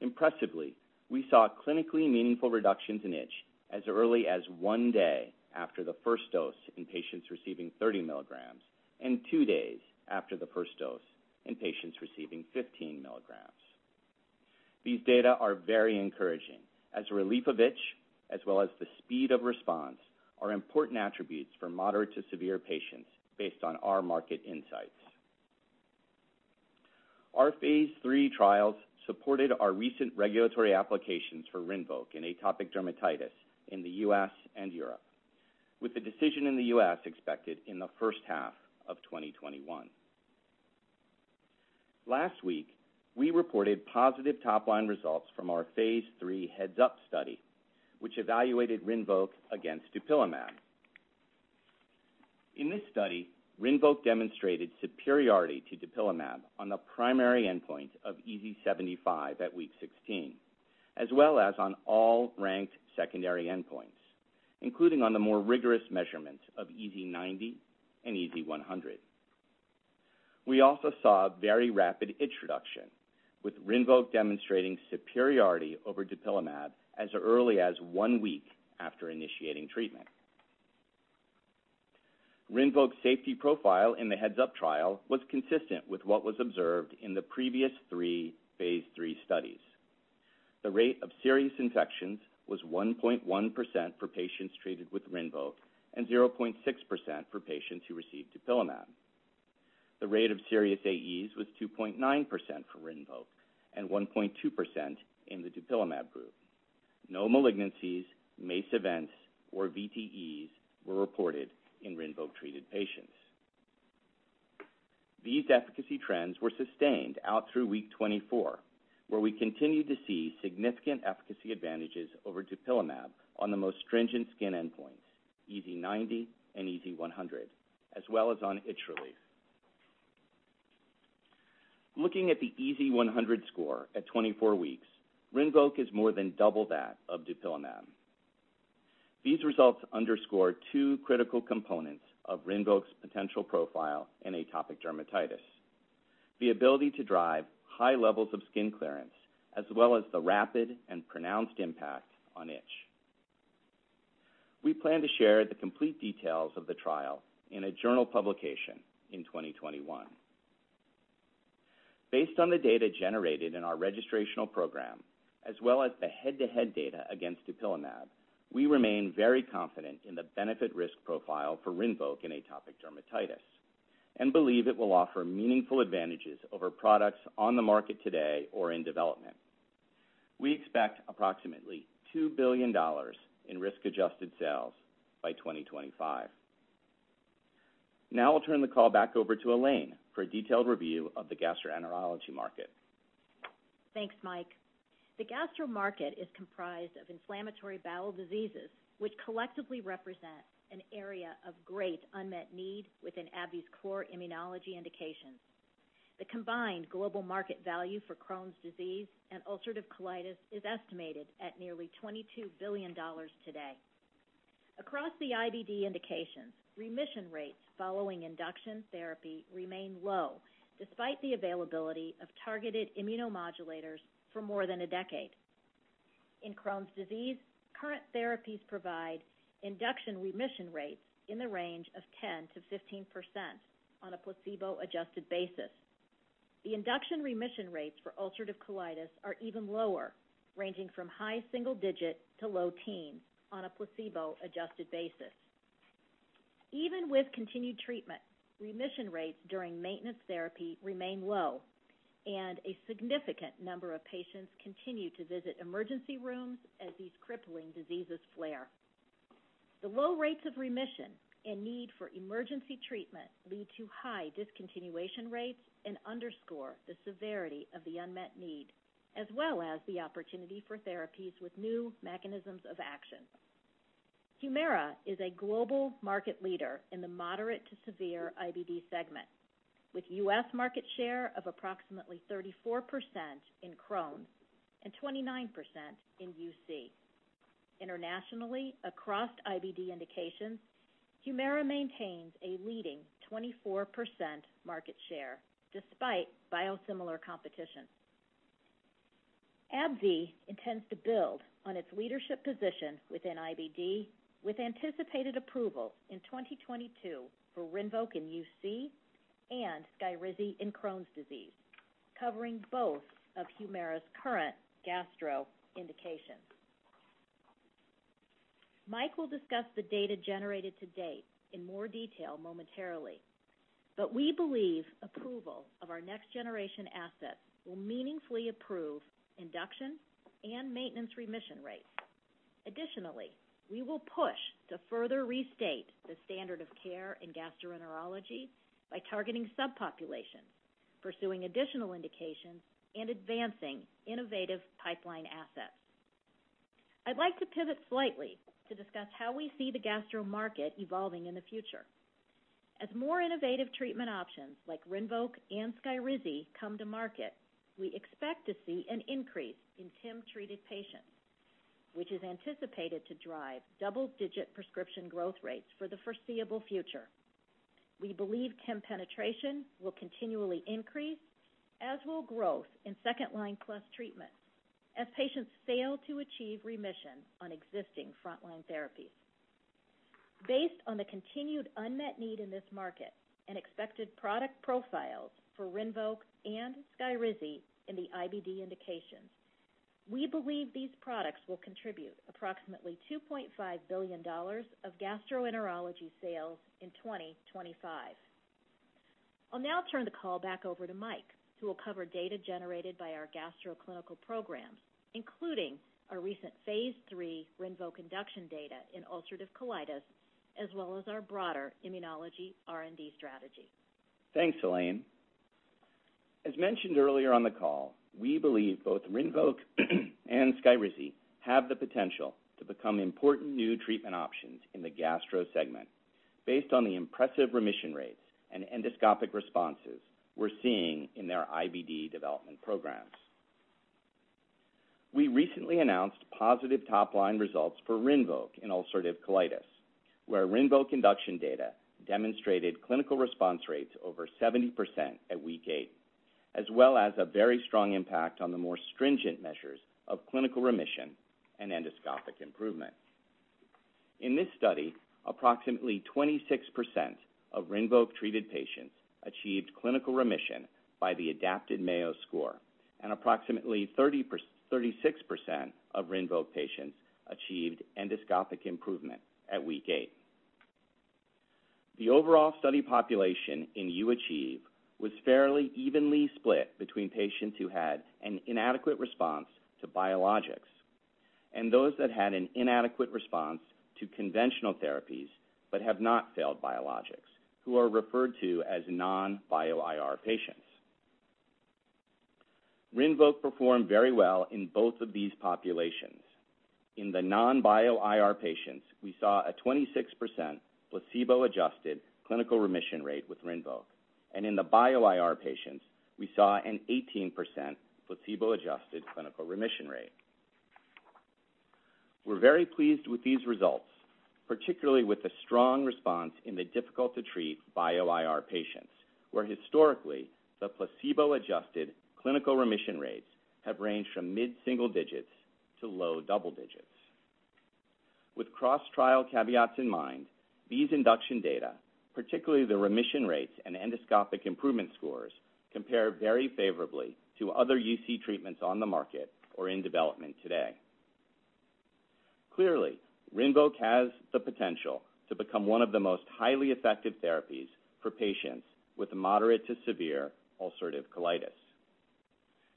Impressively, we saw clinically meaningful reductions in itch as early as one day after the first dose in patients receiving 30 mg and two days after the first dose in patients receiving 15 mg. These data are very encouraging, as relief of itch as well as the speed of response are important attributes for moderate to severe patients based on our market insights. Our phase III trials supported our recent regulatory applications for RINVOQ in atopic dermatitis in the U.S. and Europe, with the decision in the U.S. expected in the first half of 2021. Last week, we reported positive top-line results from our phase III HEADS-UP study, which evaluated RINVOQ against dupilumab. In this study, RINVOQ demonstrated superiority to dupilumab on the primary endpoint of EASI 75 at week 16, as well as on all ranked secondary endpoints, including on the more rigorous measurements of EASI 90 and EASI 100. We also saw very rapid itch reduction, with RINVOQ demonstrating superiority over dupilumab as early as one week after initiating treatment. RINVOQ's safety profile in the HEADS-UP trial was consistent with what was observed in the previous three phase III studies. The rate of serious infections was 1.1% for patients treated with RINVOQ and 0.6% for patients who received dupilumab. The rate of serious AEs was 2.9% for RINVOQ and 1.2% in the dupilumab group. No malignancies, MACE events, or VTEs were reported in RINVOQ-treated patients. These efficacy trends were sustained out through week 24, where we continued to see significant efficacy advantages over dupilumab on the most stringent skin endpoints, EASI 90 and EASI 100, as well as on itch relief. Looking at the EASI 100 score at 24 weeks, RINVOQ is more than double that of dupilumab. These results underscore two critical components of RINVOQ's potential profile in atopic dermatitis: the ability to drive high levels of skin clearance, as well as the rapid and pronounced impact on itch. We plan to share the complete details of the trial in a journal publication in 2021. Based on the data generated in our registrational program, as well as the head-to-head data against dupilumab, we remain very confident in the benefit risk profile for RINVOQ in atopic dermatitis and believe it will offer meaningful advantages over products on the market today or in development. We expect approximately $2 billion in risk-adjusted sales by 2025. Now I'll turn the call back over to Elaine for a detailed review of the gastroenterology market. Thanks, Mike. The gastro market is comprised of inflammatory bowel diseases, which collectively represent an area of great unmet need within AbbVie's core immunology indications. The combined global market value for Crohn's disease and ulcerative colitis is estimated at nearly $22 billion today. Across the IBD indications, remission rates following induction therapy remain low, despite the availability of targeted immunomodulators for more than a decade. In Crohn's disease, current therapies provide induction remission rates in the range of 10%-15% on a placebo-adjusted basis. The induction remission rates for ulcerative colitis are even lower, ranging from high single-digit to low teens on a placebo-adjusted basis. Even with continued treatment, remission rates during maintenance therapy remain low, and a significant number of patients continue to visit emergency rooms as these crippling diseases flare. The low rates of remission and need for emergency treatment lead to high discontinuation rates and underscore the severity of the unmet need, as well as the opportunity for therapies with new mechanisms of action. HUMIRA is a global market leader in the moderate to severe IBD segment, with U.S. market share of approximately 34% in Crohn's and 29% in UC. Internationally, across IBD indications, HUMIRA maintains a leading 24% market share, despite biosimilar competition. AbbVie intends to build on its leadership position within IBD with anticipated approval in 2022 for RINVOQ in UC and SKYRIZI in Crohn's disease, covering both of HUMIRA's current gastro indications. Mike will discuss the data generated to date in more detail momentarily. We believe approval of our next-generation assets will meaningfully improve induction and maintenance remission rates. Additionally, we will push to further restate the standard of care in gastroenterology by targeting subpopulations, pursuing additional indications, and advancing innovative pipeline assets. I'd like to pivot slightly to discuss how we see the gastro market evolving in the future. As more innovative treatment options like RINVOQ and SKYRIZI come to market, we expect to see an increase in TIM-treated patients, which is anticipated to drive double-digit prescription growth rates for the foreseeable future. We believe TIM penetration will continually increase, as will growth in second-line plus treatments as patients fail to achieve remission on existing frontline therapies. Based on the continued unmet need in this market and expected product profiles for RINVOQ and SKYRIZI in the IBD indications. We believe these products will contribute approximately $2.5 billion of gastroenterology sales in 2025. I'll now turn the call back over to Mike, who will cover data generated by our gastro clinical programs, including our recent phase III RINVOQ induction data in ulcerative colitis, as well as our broader immunology R&D strategy. Thanks, Elaine. As mentioned earlier on the call, we believe both RINVOQ and SKYRIZI have the potential to become important new treatment options in the gastro segment, based on the impressive remission rates and endoscopic responses we're seeing in their IBD development programs. We recently announced positive top-line results for RINVOQ in ulcerative colitis, where RINVOQ induction data demonstrated clinical response rates over 70% at week eight, as well as a very strong impact on the more stringent measures of clinical remission and endoscopic improvement. In this study, approximately 26% of RINVOQ-treated patients achieved clinical remission by the adapted Mayo Score, and approximately 36% of RINVOQ patients achieved endoscopic improvement at week eight. The overall study population in U-ACHIEVE was fairly evenly split between patients who had an inadequate response to biologics and those that had an inadequate response to conventional therapies but have not failed biologics, who are referred to as non-bio-IR patients. RINVOQ performed very well in both of these populations. In the non-bio-IR patients, we saw a 26% placebo-adjusted clinical remission rate with RINVOQ, and in the bio-IR patients, we saw an 18% placebo-adjusted clinical remission rate. We're very pleased with these results, particularly with the strong response in the difficult-to-treat bio-IR patients, where historically, the placebo-adjusted clinical remission rates have ranged from mid-single digits to low double digits. With cross-trial caveats in mind, these induction data, particularly the remission rates and endoscopic improvement scores, compare very favorably to other UC treatments on the market or in development today. Clearly, RINVOQ has the potential to become one of the most highly effective therapies for patients with moderate to severe ulcerative colitis.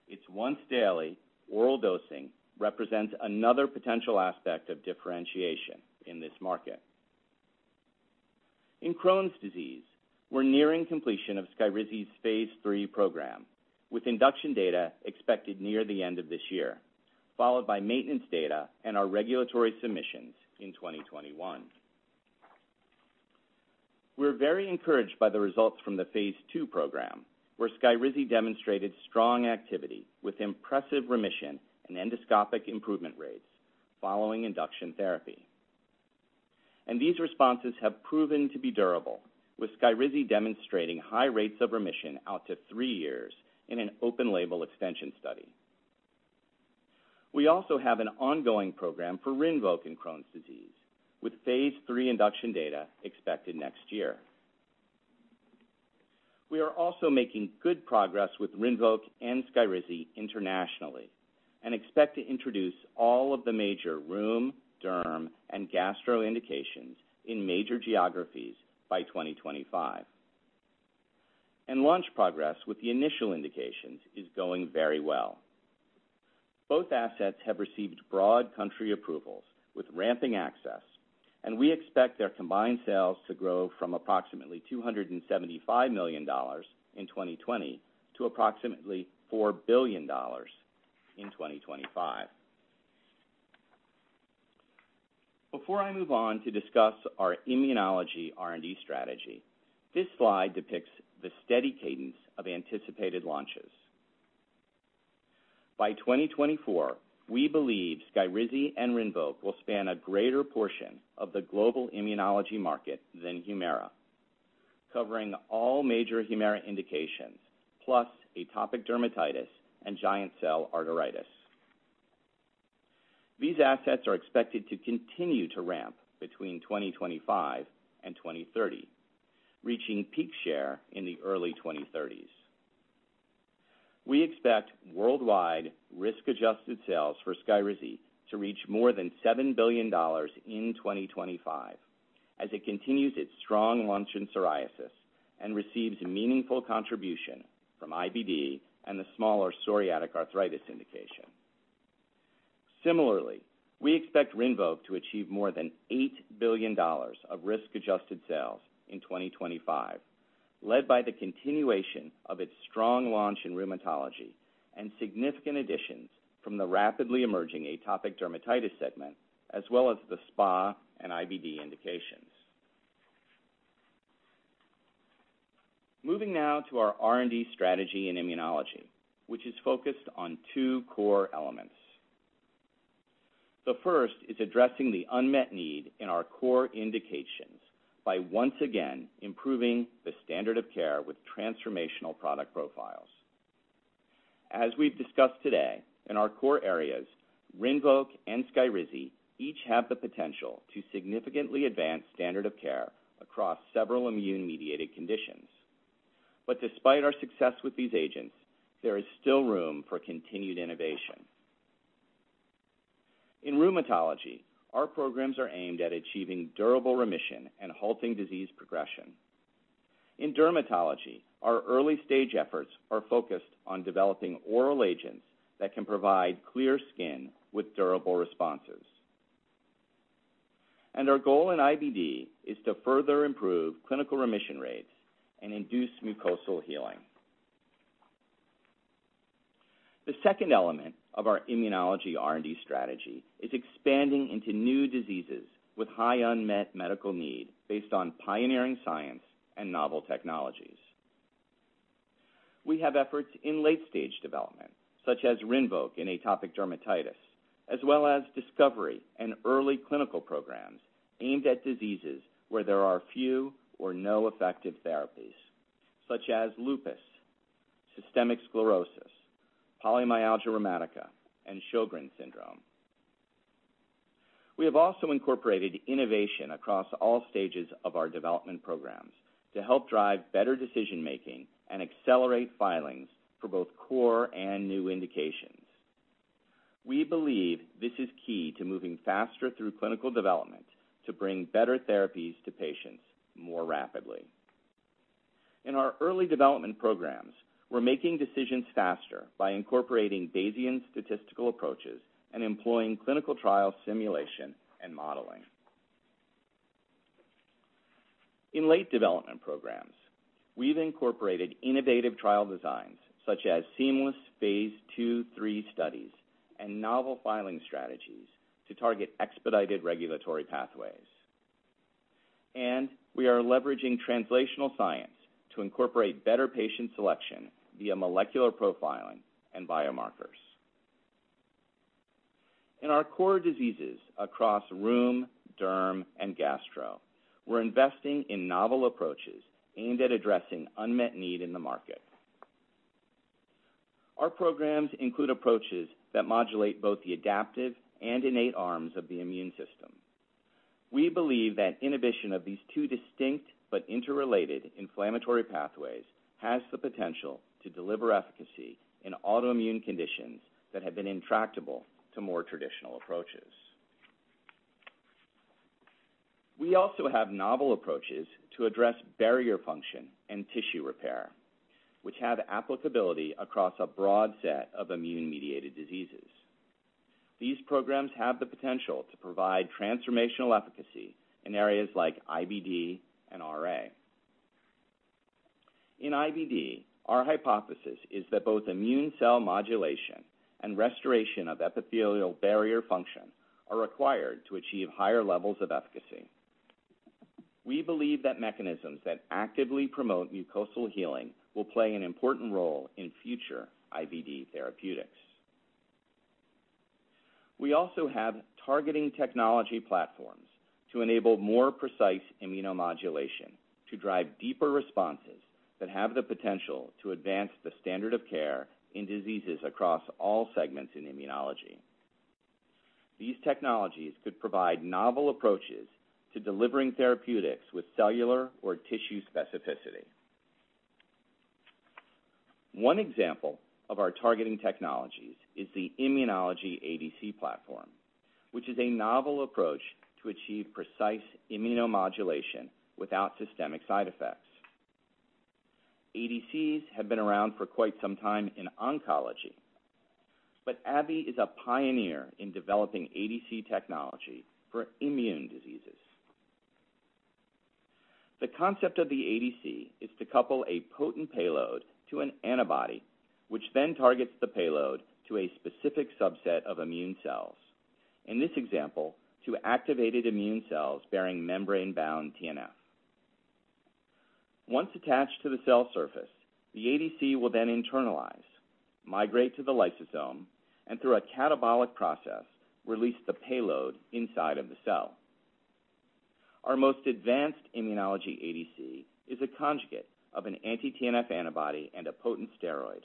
Its once-daily oral dosing represents another potential aspect of differentiation in this market. In Crohn's disease, we're nearing completion of SKYRIZI's phase III program, with induction data expected near the end of this year, followed by maintenance data and our regulatory submissions in 2021. We're very encouraged by the results from the phase II program, where SKYRIZI demonstrated strong activity with impressive remission and endoscopic improvement rates following induction therapy. These responses have proven to be durable, with SKYRIZI demonstrating high rates of remission out to three years in an open label extension study. We also have an ongoing program for RINVOQ in Crohn's disease, with phase III induction data expected next year. We are also making good progress with RINVOQ and SKYRIZI internationally and expect to introduce all of the major rheum, derm, and gastro indications in major geographies by 2025. Launch progress with the initial indications is going very well. Both assets have received broad country approvals with ramping access, and we expect their combined sales to grow from approximately $275 million in 2020 to approximately $4 billion in 2025. Before I move on to discuss our immunology R&D strategy, this slide depicts the steady cadence of anticipated launches. By 2024, we believe SKYRIZI and RINVOQ will span a greater portion of the global immunology market than HUMIRA, covering all major HUMIRA indications plus atopic dermatitis and giant cell arteritis. These assets are expected to continue to ramp between 2025 and 2030, reaching peak share in the early 2030s. We expect worldwide risk-adjusted sales for SKYRIZI to reach more than $7 billion in 2025 as it continues its strong launch in psoriasis and receives meaningful contributions from IBD and the smaller psoriatic arthritis indication. Similarly, we expect RINVOQ to achieve more than $8 billion of risk-adjusted sales in 2025, led by the continuation of its strong launch in rheumatology and significant additions from the rapidly emerging atopic dermatitis segment, as well as the SpA and IBD indications. Moving now to our R&D strategy in immunology, which is focused on two core elements. The first is addressing the unmet need in our core indications by once again improving the standard of care with transformational product profiles. As we've discussed today, in our core areas, RINVOQ and SKYRIZI each have the potential to significantly advance standard of care across several immune-mediated conditions. Despite our success with these agents, there is still room for continued innovation. In rheumatology, our programs are aimed at achieving durable remission and halting disease progression. In dermatology, our early-stage efforts are focused on developing oral agents that can provide clear skin with durable responses. Our goal in IBD is to further improve clinical remission rates and induce mucosal healing. The second element of our immunology R&D strategy is expanding into new diseases with high unmet medical need based on pioneering science and novel technologies. We have efforts in late-stage development, such as RINVOQ in atopic dermatitis, as well as discovery and early clinical programs aimed at diseases where there are few or no effective therapies, such as lupus, systemic sclerosis, polymyalgia rheumatica, and Sjögren's syndrome. We have also incorporated innovation across all stages of our development programs to help drive better decision-making and accelerate filings for both core and new indications. We believe this is key to moving faster through clinical development to bring better therapies to patients more rapidly. In our early development programs, we're making decisions faster by incorporating Bayesian statistical approaches and employing clinical trial simulation and modeling. In late development programs, we've incorporated innovative trial designs such as seamless phase II/III studies and novel filing strategies to target expedited regulatory pathways. We are leveraging translational science to incorporate better patient selection via molecular profiling and biomarkers. In our core diseases across rheum, derm, and gastro, we're investing in novel approaches aimed at addressing unmet needs in the market. Our programs include approaches that modulate both the adaptive and innate arms of the immune system. We believe that inhibition of these two distinct but interrelated inflammatory pathways has the potential to deliver efficacy in autoimmune conditions that have been intractable to more traditional approaches. We also have novel approaches to address barrier function and tissue repair, which have applicability across a broad set of immune-mediated diseases. These programs have the potential to provide transformational efficacy in areas like IBD and RA. In IBD, our hypothesis is that both immune cell modulation and restoration of epithelial barrier function are required to achieve higher levels of efficacy. We believe that mechanisms that actively promote mucosal healing will play an important role in future IBD therapeutics. We also have targeting technology platforms to enable more precise immunomodulation to drive deeper responses that have the potential to advance the standard of care in diseases across all segments in immunology. These technologies could provide novel approaches to delivering therapeutics with cellular or tissue specificity. One example of our targeting technologies is the Immunology ADC platform, which is a novel approach to achieve precise immunomodulation without systemic side effects. ADCs have been around for quite some time in oncology, but AbbVie is a pioneer in developing ADC technology for immune diseases. The concept of the ADC is to couple a potent payload to an antibody, which then targets the payload to a specific subset of immune cells, in this example, to activated immune cells bearing membrane-bound TNF. Once attached to the cell surface, the ADC will then internalize, migrate to the lysosome, and through a catabolic process, release the payload inside of the cell. Our most advanced immunology ADC is a conjugate of an anti-TNF antibody and a potent steroid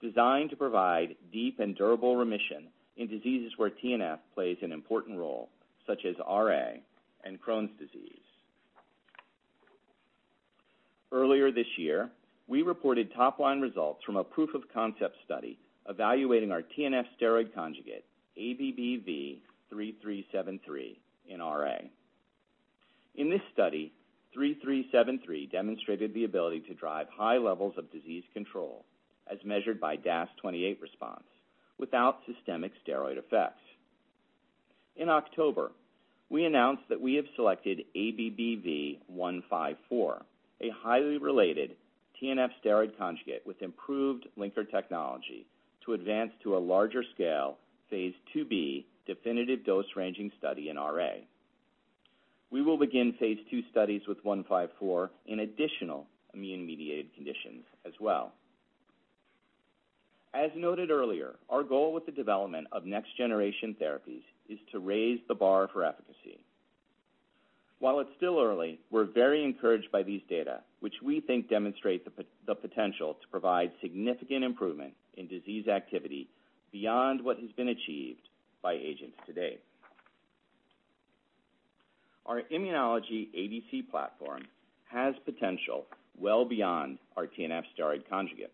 designed to provide deep and durable remission in diseases where TNF plays an important role, such as RA and Crohn's disease. Earlier this year, we reported top-line results from a proof-of-concept study evaluating our TNF-steroid conjugate, ABBV-3373, in RA. In this study, 3373 demonstrated the ability to drive high levels of disease control, as measured by DAS28 response, without systemic steroid effects. In October, we announced that we have selected ABBV-154, a highly related TNF-steroid conjugate with improved linker technology, to advance to a larger scale phase II-B definitive dose-ranging study in RA. We will begin phase II studies with 154 in additional immune-mediated conditions as well. As noted earlier, our goal with the development of next-generation therapies is to raise the bar for efficacy. While it's still early, we're very encouraged by these data, which we think demonstrate the potential to provide significant improvement in disease activity beyond what has been achieved by agents today. Our immunology ADC platform has potential well beyond our TNF-steroid conjugate.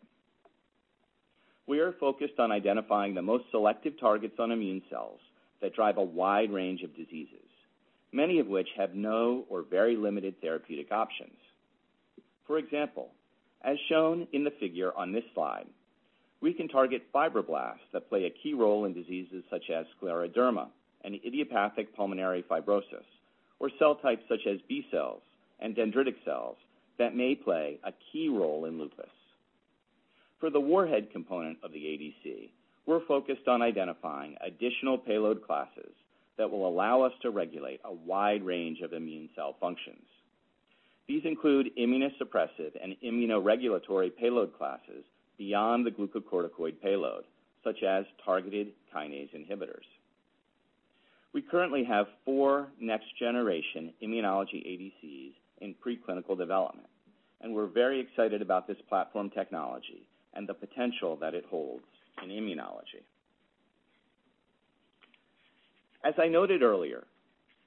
We are focused on identifying the most selective targets on immune cells that drive a wide range of diseases, many of which have no or very limited therapeutic options. For example, as shown in the figure on this slide, we can target fibroblasts that play a key role in diseases such as scleroderma and idiopathic pulmonary fibrosis, or cell types such as B cells and dendritic cells that may play a key role in lupus. For the warhead component of the ADC, we're focused on identifying additional payload classes that will allow us to regulate a wide range of immune cell functions. These include immunosuppressive and immunoregulatory payload classes beyond the glucocorticoid payload, such as targeted kinase inhibitors. We currently have four next-generation immunology ADCs in pre-clinical development, and we're very excited about this platform technology and the potential that it holds in immunology. As I noted earlier,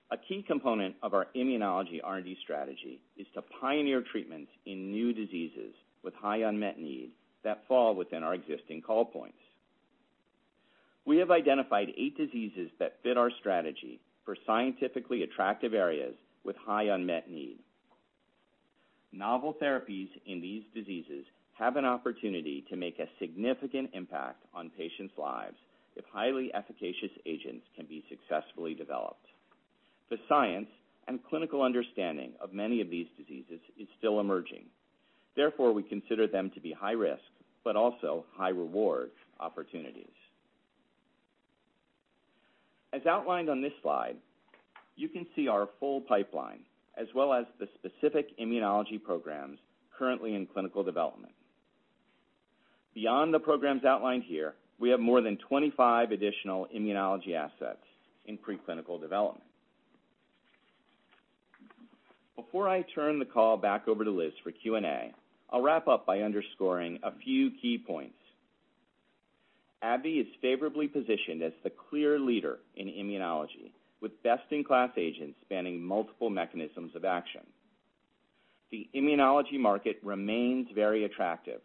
a key component of our immunology R&D strategy is to pioneer treatments in new diseases with high unmet need that fall within our existing call points. We have identified eight diseases that fit our strategy for scientifically attractive areas with high unmet need. Novel therapies in these diseases have an opportunity to make a significant impact on patients' lives if highly efficacious agents can be successfully developed. The science and clinical understanding of many of these diseases is still emerging. Therefore, we consider them to be high-risk, but also high-reward opportunities. As outlined on this slide, you can see our full pipeline as well as the specific immunology programs currently in clinical development. Beyond the programs outlined here, we have more than 25 additional immunology assets in pre-clinical development. Before I turn the call back over to Liz for Q&A, I'll wrap up by underscoring a few key points. AbbVie is favorably positioned as the clear leader in immunology, with best-in-class agents spanning multiple mechanisms of action. The immunology market remains very attractive,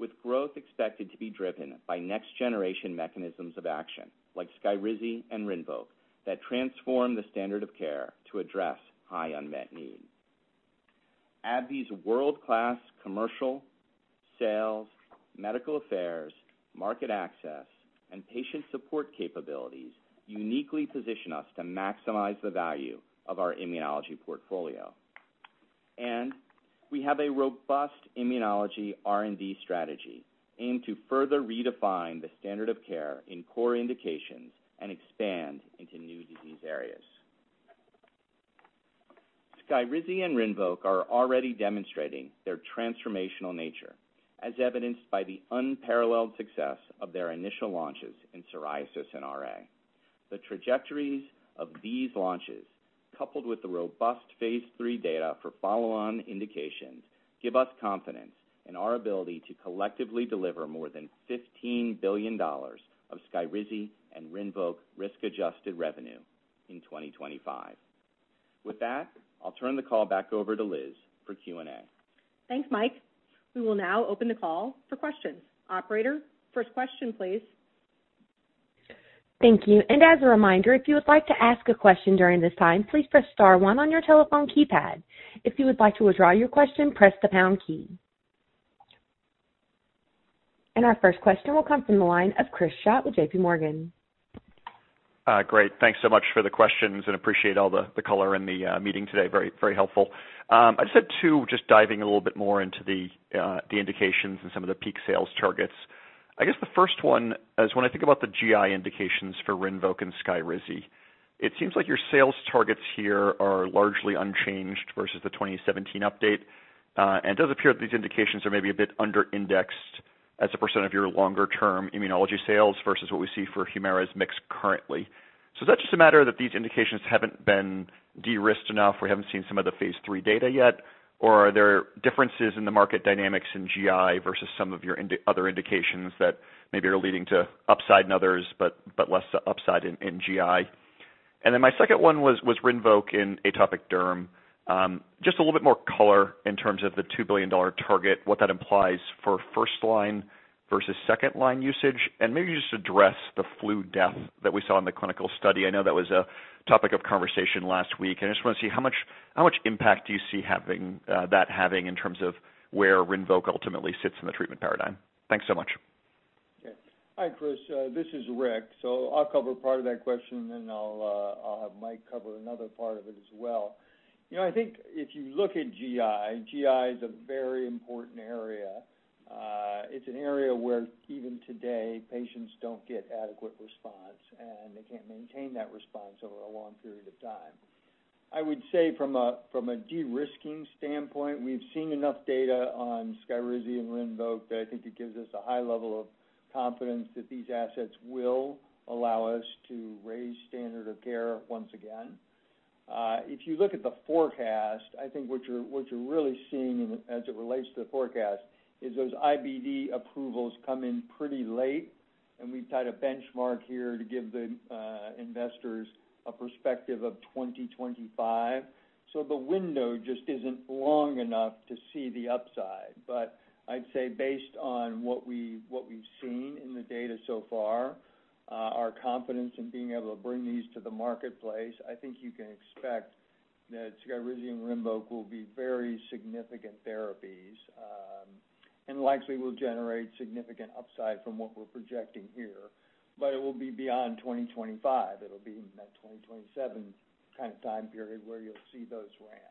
with growth expected to be driven by next-generation mechanisms of action like SKYRIZI and RINVOQ that transform the standard of care to address high unmet need. AbbVie's world-class commercial sales, medical affairs, market access, and patient support capabilities uniquely position us to maximize the value of our immunology portfolio. We have a robust immunology R&D strategy aimed to further redefine the standard of care in core indications and expand into new disease areas. SKYRIZI and RINVOQ are already demonstrating their transformational nature, as evidenced by the unparalleled success of their initial launches in psoriasis and RA. The trajectories of these launches, coupled with the robust phase III data for follow-on indications, give us confidence in our ability to collectively deliver more than $15 billion of SKYRIZI and RINVOQ risk-adjusted revenue in 2025. With that, I'll turn the call back over to Liz for Q&A. Thanks, Mike. We will now open the call for questions. Operator, first question, please. Thank you. As a reminder, if you would like to ask a question during this time, please press star one on your telephone keypad. If you would like to withdraw your question, press the pound key. Our first question will come from the line of Chris Schott with J.P. Morgan. Great. Thanks so much for the questions, and I appreciate all the color in the meeting today. Very helpful. I just had two, just diving a little bit more into the indications and some of the peak sales targets. I guess the first one is when I think about the GI indications for RINVOQ and SKYRIZI. It seems like your sales targets here are largely unchanged versus the 2017 update. It does appear that these indications are maybe a bit under-indexed as a percent of your longer-term immunology sales versus what we see for HUMIRA's mix currently. Is that just a matter that these indications haven't been de-risked enough? We haven't seen some of the phase III data yet, or are there differences in the market dynamics in GI versus some of your other indications that maybe are leading to upside in others, but less upside in GI? My second one was RINVOQ in atopic derm. Just a little bit more color in terms of the $2 billion target, what that implies for first-line versus second-line usage, and maybe just address the influenza death that we saw in the clinical study. I know that was a topic of conversation last week, and I just want to see how much impact do you see that having in terms of where RINVOQ ultimately sits in the treatment paradigm? Thanks so much. Hi, Chris. This is Rick. I'll cover part of that question, then I'll have Mike cover another part of it as well. I think if you look at GI is a very important area. It's an area where, even today, patients don't get adequate response, and they can't maintain that response over a long period of time. I would say from a de-risking standpoint, we've seen enough data on SKYRIZI and RINVOQ that I think it gives us a high level of confidence that these assets will allow us to raise the standard of care once again. If you look at the forecast, I think what you're really seeing as it relates to the forecast is those IBD approvals come in pretty late. We've tied a benchmark here to give the investors a perspective of 2025. The window just isn't long enough to see the upside. I'd say based on what we've seen in the data so far, our confidence in being able to bring these to the marketplace, I think you can expect that SKYRIZI and RINVOQ will be very significant therapies, and likely will generate significant upside from what we're projecting here. It will be beyond 2025. It'll be in that 2027 kind of time period where you'll see those ramps.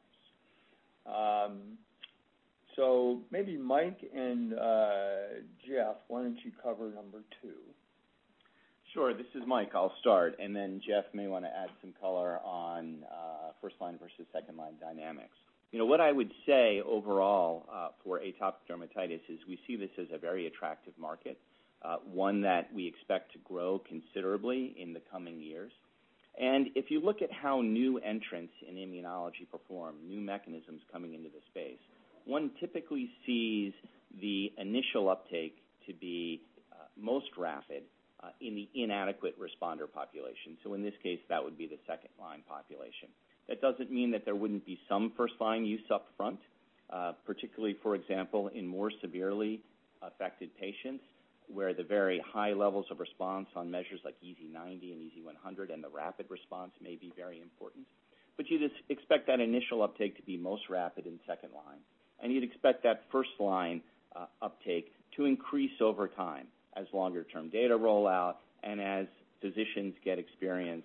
Maybe Mike and Jeff, why don't you cover the number two? Sure. This is Mike. I'll start, and then Jeff may want to add some color on first-line versus second-line dynamics. What I would say overall for atopic dermatitis is we see this as a very attractive market, one that we expect to grow considerably in the coming years. If you look at how new entrants in immunology perform, new mechanisms coming into the space, one typically sees the initial uptake to be most rapid in the inadequate responder population. In this case, that would be the second-line population. That doesn't mean that there wouldn't be some first-line use up front, particularly, for example, in more severely affected patients, where the very high levels of response on measures like EASI 90 and EASI 100 and the rapid response may be very important. You'd expect that initial uptake to be most rapid in second-line, and you'd expect that first-line uptake to increase over time as longer-term data roll out and as physicians get experience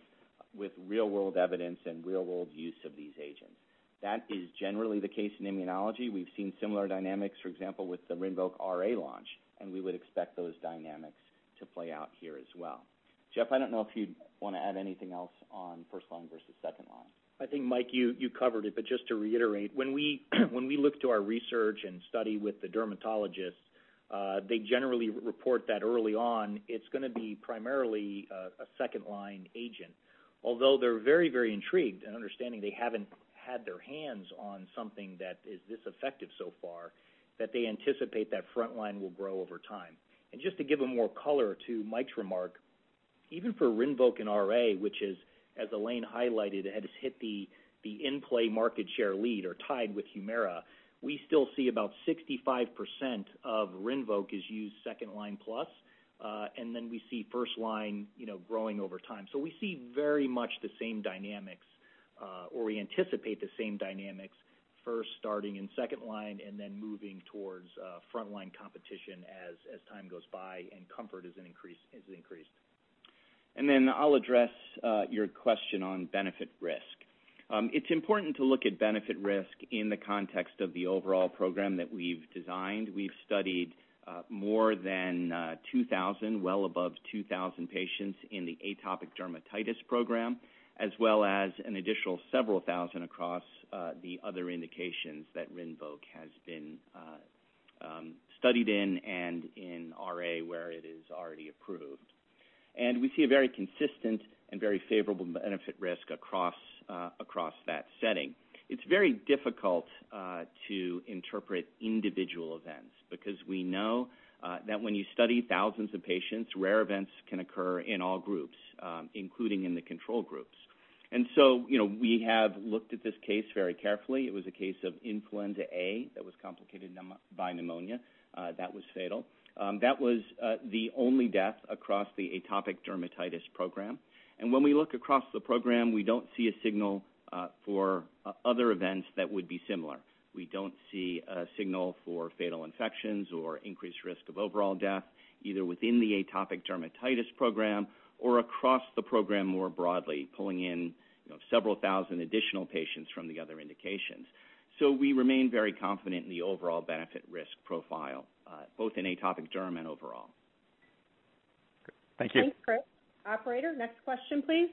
with real-world evidence and real-world use of these agents. That is generally the case in immunology. We've seen similar dynamics, for example, with the RINVOQ RA launch, and we would expect those dynamics to play out here as well. Jeff, I don't know if you'd want to add anything else on first-line versus second-line. I think, Mike, you covered it. Just to reiterate, when we look to our research and study with the dermatologists, they generally report that early on it's going to be primarily a second-line agent. Although they're very intrigued and understanding they haven't had their hands on something that is this effective so far, that they anticipate that front line will grow over time. Just to give a more color to Mike's remark, even for RINVOQ and RA, which is, as Elaine highlighted, has hit the in-play market share lead or tied with HUMIRA, we still see about 65% of RINVOQ is used 2L+, and then we see first line growing over time. We see very much the same dynamics, or we anticipate the same dynamics first starting in second line and then moving towards front-line competition as time goes by and comfort is increased. I'll address your question on benefit risk. It's important to look at benefit risk in the context of the overall program that we've designed. We've studied more than 2,000, well above 2,000 patients in the atopic dermatitis program, as well as an additional several thousand across the other indications that RINVOQ has been studied in and in RA where it is already approved. We see a very consistent and very favorable benefit risk across that setting. It's very difficult to interpret individual events because we know that when you study thousands of patients, rare events can occur in all groups, including in the control groups. We have looked at this case very carefully. It was a case of influenza A that was complicated by pneumonia that was fatal. That was the only death across the atopic dermatitis program. When we look across the program, we don't see a signal for other events that would be similar. We don't see a signal for fatal infections or increased risk of overall death, either within the atopic dermatitis program or across the program more broadly, pulling in several thousand additional patients from the other indications. We remain very confident in the overall benefit risk profile, both in atopic derm and overall. Thank you. Thanks, Chris. Operator, next question, please.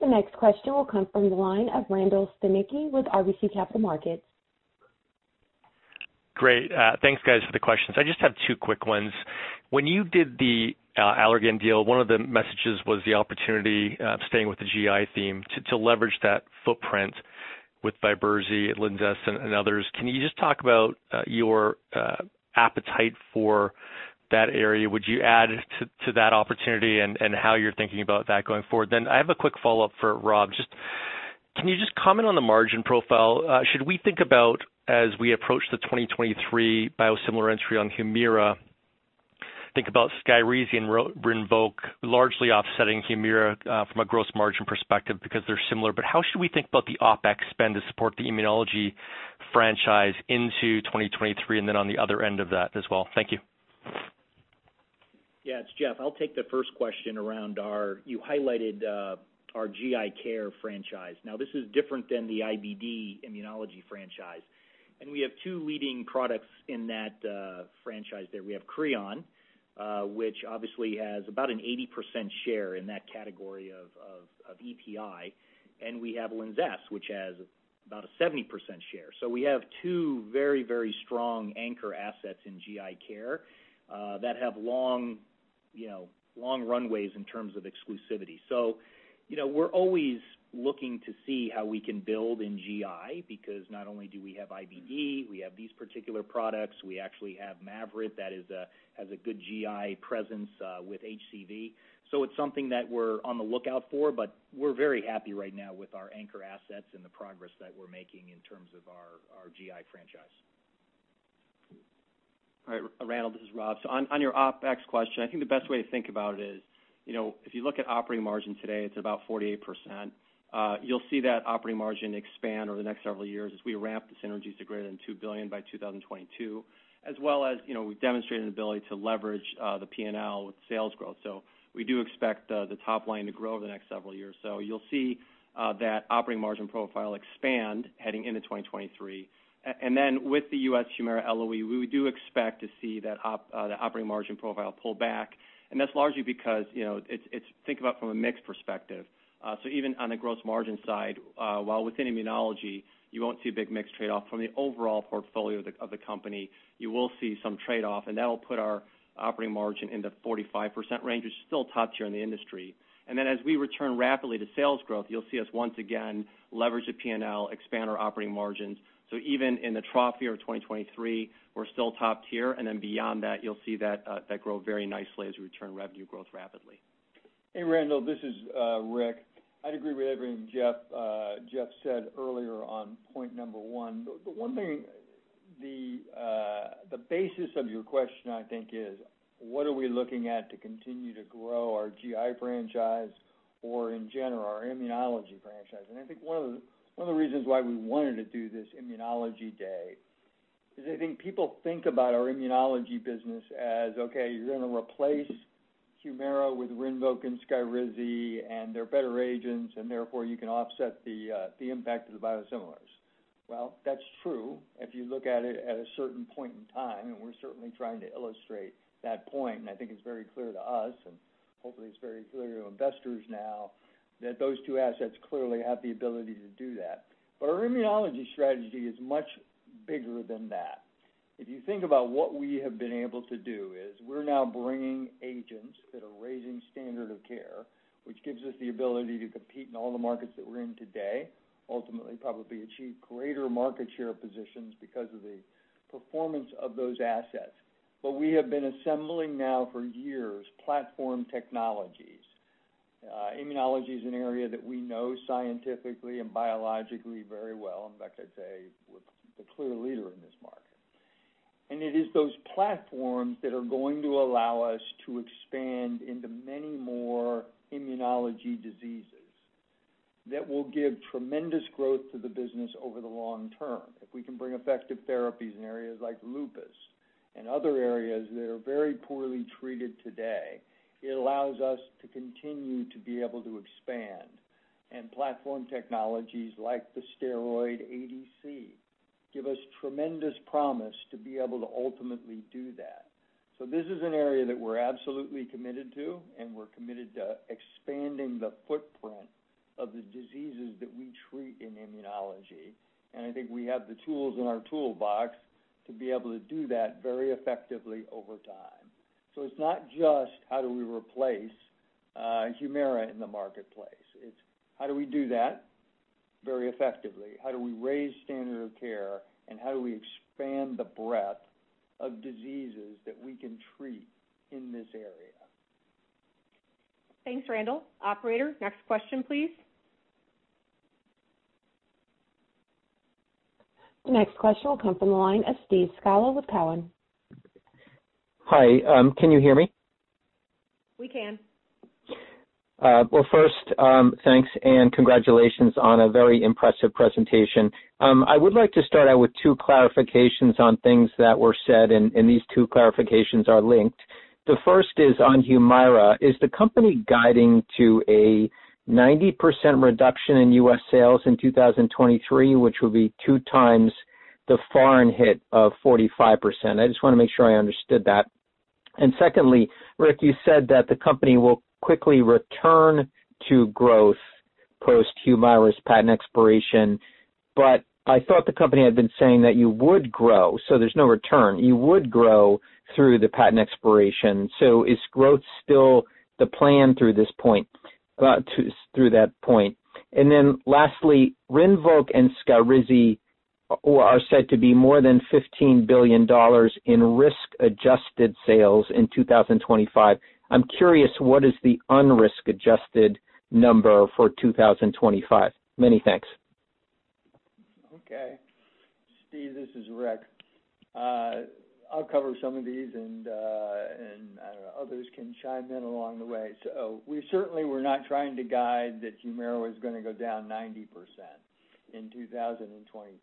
The next question will come from the line of Randall Stanicky with RBC Capital Markets. Great. Thanks guys for the questions. I just have two quick ones. When you did the Allergan deal, one of the messages was the opportunity, staying with the GI theme, to leverage that footprint with VIBERZI, LINZESS, and others. Can you just talk about your appetite for that area? Would you add to that opportunity and how you're thinking about that going forward? I have a quick follow-up for Rob. Can you just comment on the margin profile? Should we think about as we approach the 2023 biosimilar entry on HUMIRA, think about SKYRIZI and RINVOQ largely offsetting HUMIRA from a gross margin perspective because they're similar. How should we think about the OpEx spend to support the immunology franchise into 2023, and then on the other end of that as well? Thank you. Yeah, it's Jeff. I'll take the first question around our GI care franchise. This is different than the IBD immunology franchise. We have two leading products in that franchise there. We have CREON, which obviously has about an 80% share in that category of EPI, and we have LINZESS, which has about a 70% share. We have two very strong anchor assets in GI care that have long runaways in terms of exclusivity. We're always looking to see how we can build in GI, because not only do we have IBD, we have these particular products, we actually have MAVYRET that has a good GI presence with HCV. It's something that we're on the lookout for, but we're very happy right now with our anchor assets and the progress that we're making in terms of our GI franchise. All right, Randall, this is Rob. on your OpEx question, I think the best way to think about it is, if you look at operating margin today, it's about 48%. You'll see that operating margin expand over the next several years as we ramp the synergies to greater than $2 billion by 2022, as well as we've demonstrated an ability to leverage the P&L with sales growth. We do expect the top line to grow over the next several years. You'll see that operating margin profile expand heading into 2023. Then with the U.S. HUMIRA LOE, we do expect to see that operating margin profile pull back. That's largely because, think about it from a mix perspective. Even on the gross margin side, while within immunology, you won't see a big mix trade-off from the overall portfolio of the company, you will see some trade-off, and that'll put our operating margin in the 45% range, which is still top tier in the industry. As we return rapidly to sales growth, you'll see us once again leverage the P&L, expand our operating margins. Even in the trough year of 2023, we're still top tier. Beyond that, you'll see that grow very nicely as we return revenue growth rapidly. Hey, Randall, this is Rick. I'd agree with everything Jeff said earlier on point number one. One thing, the basis of your question, I think is, what are we looking at to continue to grow our GI franchise, or in general, our immunology franchise? I think one of the reasons why we wanted to do this Immunology Day is I think people think about our immunology business as, okay, you're going to replace HUMIRA with RINVOQ and SKYRIZI, and they're better agents, and therefore, you can offset the impact of the biosimilars. Well, that's true if you look at it at a certain point in time, and we're certainly trying to illustrate that point. I think it's very clear to us, and hopefully it's very clear to investors, now that those two assets clearly have the ability to do that. Our immunology strategy is much bigger than that. If you think about what we have been able to do is we're now bringing agents that are raising standard of care, which gives us the ability to compete in all the markets that we're in today, ultimately probably achieve greater market share positions because of the performance of those assets. We have been assembling now for years platform technologies. Immunology is an area that we know scientifically and biologically very well. In fact, I'd say we're the clear leader in this market. It is those platforms that are going to allow us to expand into many more immunology diseases that will give tremendous growth to the business over the long term. If we can bring effective therapies in areas like lupus and other areas that are very poorly treated today, it allows us to continue to be able to expand. Platform technologies like the steroid ADC, give us tremendous promise to be able to ultimately do that. This is an area that we're absolutely committed to, and we're committed to expanding the footprint of the diseases that we treat in immunology. I think we have the tools in our toolbox to be able to do that very effectively over time. It's not just how do we replace HUMIRA in the marketplace. It's how do we do that very effectively? How do we raise standard of care, and how do we expand the breadth of diseases that we can treat in this area. Thanks, Randall. Operator, next question, please. The next question will come from the line of Steve Scala with Cowen. Hi, can you hear me? We can. Well, first, thanks and congratulations on a very impressive presentation. I would like to start out with two clarifications on things that were said, and these two clarifications are linked. The first is on HUMIRA. Is the company guiding to a 90% reduction in U.S. sales in 2023, which will be two times the foreign hit of 45%? I just want to make sure I understood that. Secondly, Rick, you said that the company will quickly return to growth post-HUMIRA's patent expiration, but I thought the company had been saying that you would grow. There's no return. You would grow through the patent expiration. Is growth still the plan through this point, through that point? Lastly, RINVOQ and SKYRIZI are said to be more than $15 billion in risk-adjusted sales in 2025. I'm curious, what is the unrisk-adjusted number for 2025? Many thanks. Okay. Steve, this is Rick. I'll cover some of these, and others can chime in along the way. We certainly were not trying to guide that HUMIRA was going to go down 90% in 2023.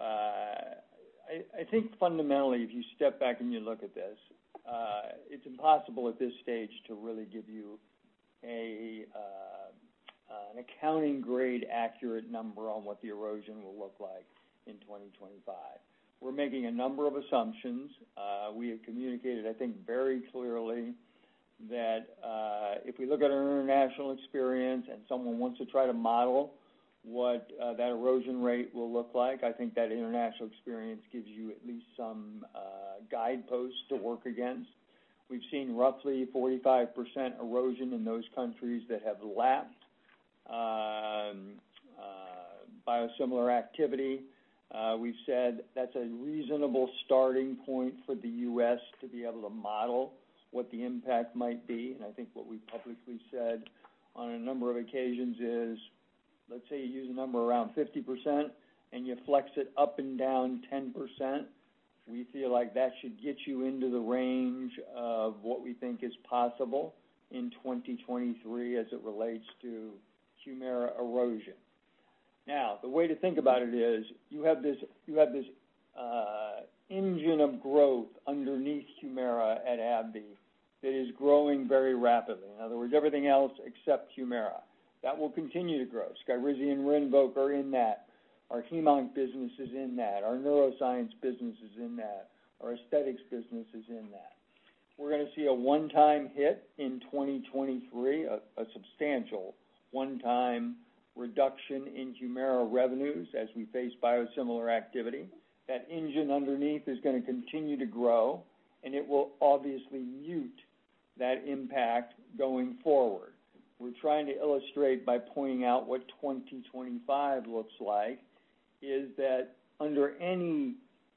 I think fundamentally, if you step back and you look at this, it's impossible at this stage to really give you an accounting grade accurate number on what the erosion will look like in 2025. We're making a number of assumptions. We have communicated, I think, very clearly that if we look at our international experience and someone wants to try to model what that erosion rate will look like, I think that international experience gives you at least some guideposts to work against. We've seen roughly 45% erosion in those countries that have lapped biosimilar activity. We've said that's a reasonable starting point for the U.S. to be able to model what the impact might be. I think what we publicly said on a number of occasions is, let's say you use a number around 50% and you flex it up and down 10%, we feel like that should get you into the range of what we think is possible in 2023 as it relates to HUMIRA erosion. The way to think about it is, you have this engine of growth underneath HUMIRA at AbbVie that is growing very rapidly. In other words, everything else except HUMIRA. That will continue to grow. SKYRIZI and RINVOQ are in that. Our hem-onc business is in that. Our neuroscience business is in that. Our aesthetics business is in that. We're going to see a one-time hit in 2023, a substantial one-time reduction in HUMIRA revenues as we face biosimilar activity. That engine underneath is going to continue to grow, and it will obviously mute that impact going forward. We're trying to illustrate by pointing out what 2025 looks like, is that under any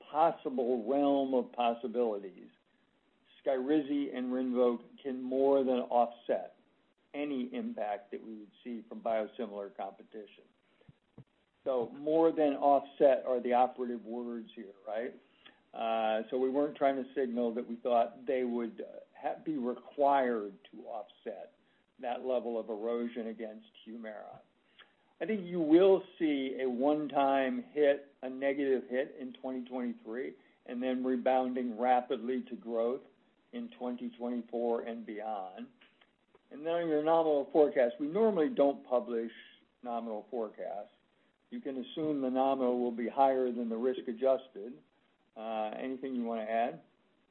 possible realm of possibilities, SKYRIZI and RINVOQ can more than offset any impact that we would see from biosimilar competition. More than offset are the operative words here, right? We weren't trying to signal that we thought they would be required to offset that level of erosion against HUMIRA. I think you will see a one-time hit, a negative hit in 2023, and then rebounding rapidly to growth in 2024 and beyond. Your nominal forecast. We normally don't publish nominal forecasts. You can assume the nominal will be higher than the risk-adjusted. Anything you want to add?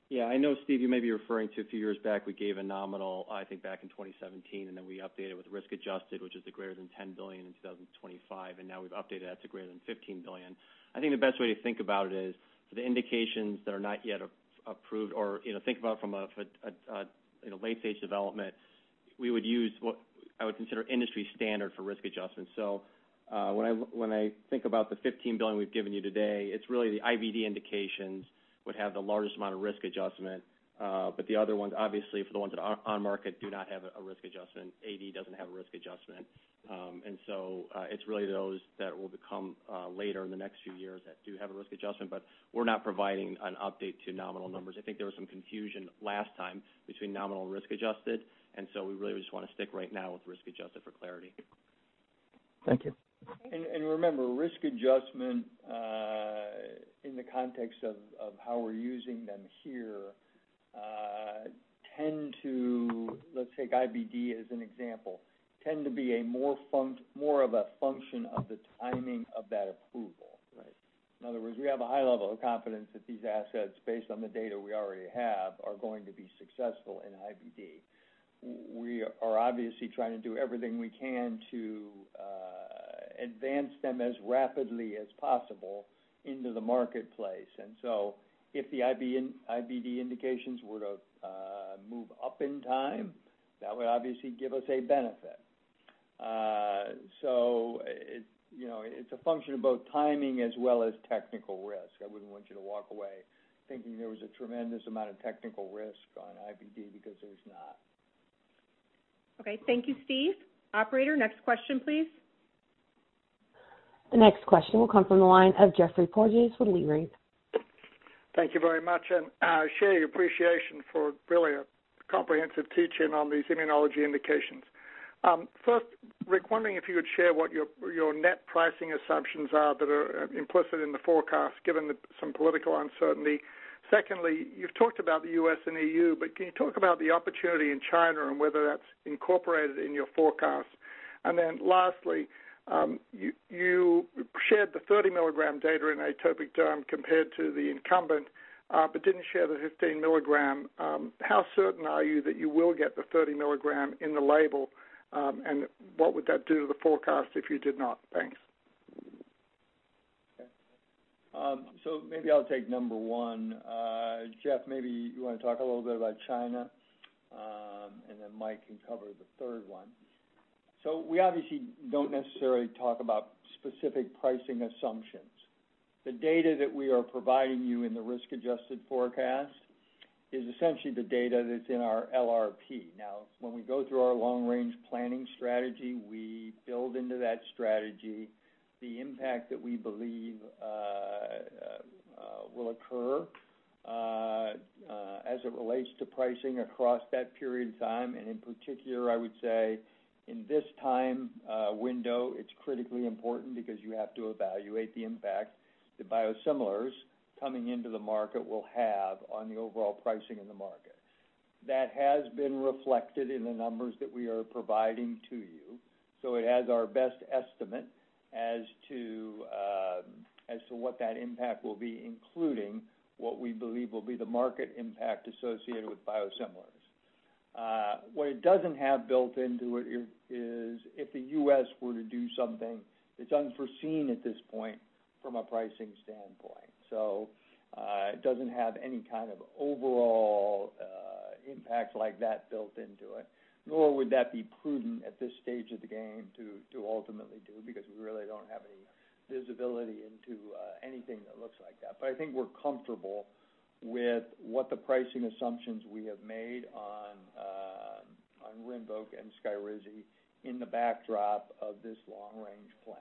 Yeah. I know, Steve, you may be referring to a few years back, we gave a nominal, I think back in 2017. Then we updated with risk-adjusted, which is the greater than $10 billion in 2025. Now we've updated that to greater than $15 billion. I think the best way to think about it is for the indications that are not yet approved or, think about it from a late-stage development, we would use what I would consider industry standard for risk adjustment. When I think about the $15 billion we've given you today, it's really the IBD indications would have the largest amount of risk adjustment. The other ones, obviously, for the ones that are on market, do not have a risk adjustment. AD doesn't have a risk adjustment. It's really those that will become later in the next few years that do have a risk adjustment. We're not providing an update to nominal numbers. I think there was some confusion last time between nominal and risk-adjusted. We really just want to stick right now with risk-adjusted for clarity. Thank you. Remember, risk adjustment, in the context of how we're using them here, let's take IBD as an example, tend to be more of a function of the timing of that approval. Right. In other words, we have a high level of confidence that these assets, based on the data we already have, are going to be successful in IBD. We are obviously trying to do everything we can to advance them as rapidly as possible into the marketplace. If the IBD indications were to move up in time, that would obviously give us a benefit. It's a function of both timing as well as technical risk. I wouldn't want you to walk away thinking there was a tremendous amount of technical risk on IBD because there's not. Okay. Thank you, Steve. Operator, next question, please. The next question will come from the line of Geoffrey Porges with Leerink. Thank you very much. I share your appreciation for really a comprehensive teach-in on these immunology indications. First, Rick, wondering if you would share what your net pricing assumptions are that are implicit in the forecast, given some political uncertainty. You've talked about the U.S. and E.U., but can you talk about the opportunity in China and whether that's incorporated in your forecast? Lastly, you shared the 30 mg data in atopic derm compared to the incumbent, but didn't share the 15 mg. How certain are you that you will get the 30 mg in the label? What would that do to the forecast if you did not? Thanks. Maybe I'll take number one. Jeff, maybe you want to talk a little bit about China, and then Mike can cover the third one. We obviously don't necessarily talk about specific pricing assumptions. The data that we are providing you in the risk-adjusted forecast is essentially the data that's in our LRP. When we go through our long-range planning strategy, we build into that strategy the impact that we believe will occur as it relates to pricing across that period of time. In particular, I would say in this time window, it's critically important because you have to evaluate the impact the biosimilars coming into the market will have on the overall pricing in the market. That has been reflected in the numbers that we are providing to you. It has our best estimate as to what that impact will be, including what we believe will be the market impact associated with biosimilars. What it doesn't have built into it is if the U.S. were to do something, it's unforeseen at this point from a pricing standpoint. It doesn't have any kind of overall impact like that built into it, nor would that be prudent at this stage of the game to ultimately do, because we really don't have any visibility into anything that looks like that. I think we're comfortable with what the pricing assumptions we have made on RINVOQ and SKYRIZI in the backdrop of this long-range plan.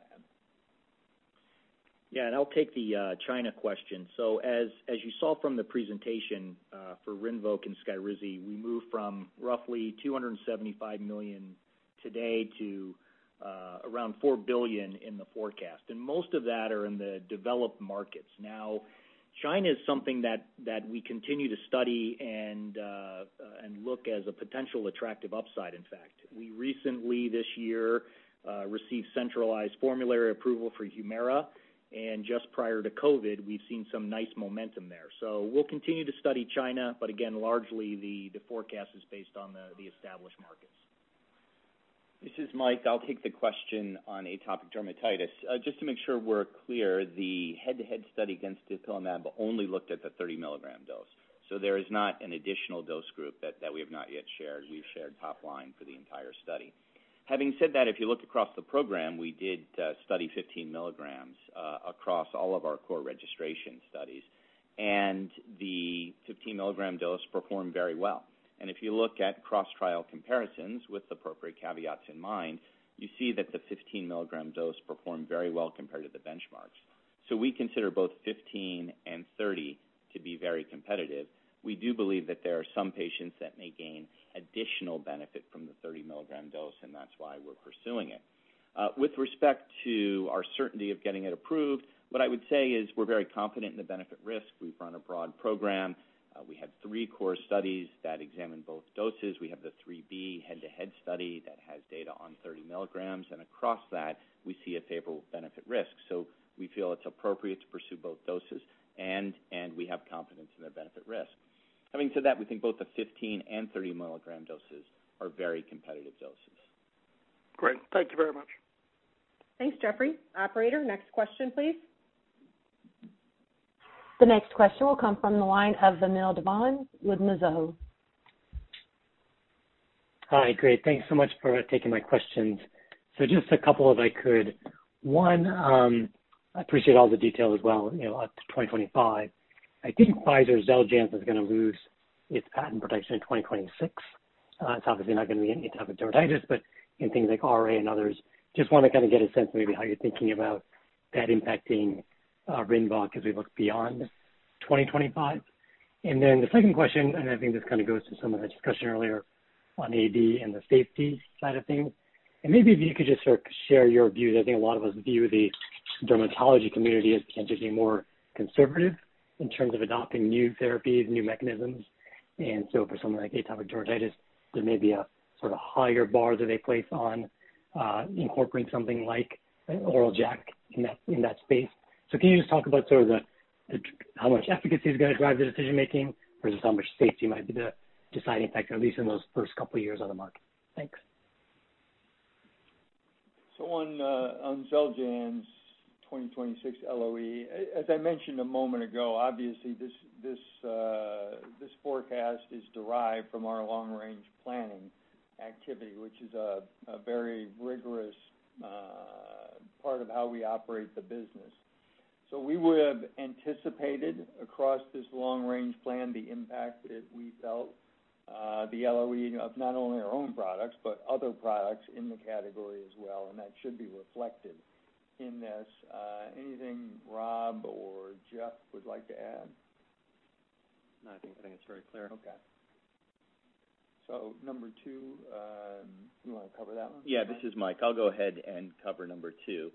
Yeah. I'll take the China question. As you saw from the presentation for RINVOQ and SKYRIZI, we moved from roughly $275 million today to around $4 billion in the forecast. Most of that are in the developed markets. Now, China is something that we continue to study and look as a potential attractive upside, in fact. We recently, this year, received centralized formulary approval for HUMIRA, and just prior to COVID, we've seen some nice momentum there. We'll continue to study China, but again, largely the forecast is based on the established markets. This is Mike. I'll take the question on atopic dermatitis. Just to make sure we're clear, the head-to-head study against dupilumab only looked at the 30 mg dose. There is not an additional dose group that we have not yet shared. We've shared top line for the entire study. Having said that, if you look across the program, we did study 15 mg across all of our core registration studies, and the 15 mg dose performed very well. If you look at cross-trial comparisons with the appropriate caveats in mind, you see that the 15 mg dose performed very well compared to the benchmarks. We consider both 15 mg and 30 mg to be very competitive. We do believe that there are some patients that may gain additional benefit from the 30 mg dose, and that's why we're pursuing it. With respect to our certainty of getting it approved, what I would say is we're very confident in the benefit risk. We've run a broad program. We had three core studies that examined both doses. We have the III-B head-to-head study that has data on 30 mg, across that, we see a favorable benefit risk. We feel it's appropriate to pursue both doses, and we have confidence in their benefit risk. Having said that, we think both the 15 mg and 30 mg doses are very competitive doses. Great. Thank you very much. Thanks, Geoffrey. Operator, next question, please. The next question will come from the line of Vamil Divan with Mizuho. Hi. Great. Thanks so much for taking my questions. Just a couple if I could. One, I appreciate all the detail as well, up to 2025. I think Pfizer's XELJANZ is going to lose its patent protection in 2026. It's obviously not going to be in atopic dermatitis, but in things like RA and others. Just want to kind of get a sense of maybe how you're thinking about that impacting RINVOQ as we look beyond 2025? Then the second question, and I think this kind of goes to some of the discussion earlier on AD and the safety side of things, and maybe if you could just sort of share your views. I think a lot of us view the dermatology community as potentially more conservative in terms of adopting new therapies, new mechanisms. For something like atopic dermatitis, there may be a sort of higher bar that they place on incorporating something like an oral JAK in that space. Can you just talk about how much efficacy is going to drive the decision making versus how much safety might be the deciding factor, at least in those first couple of years on the market? Thanks. On XELJANZ 2026 LOE, as I mentioned a moment ago, obviously this forecast is derived from our long-range planning activity, which is a very rigorous part of how we operate the business. We would have anticipated across this long-range plan the impact that we felt, the LOE of not only our own products, but other products in the category as well, and that should be reflected in this. Anything Rob or Jeff would like to add? No, I think it's very clear. Okay. number two, do you want to cover that one? Yeah, this is Mike. I'll go ahead and cover number two.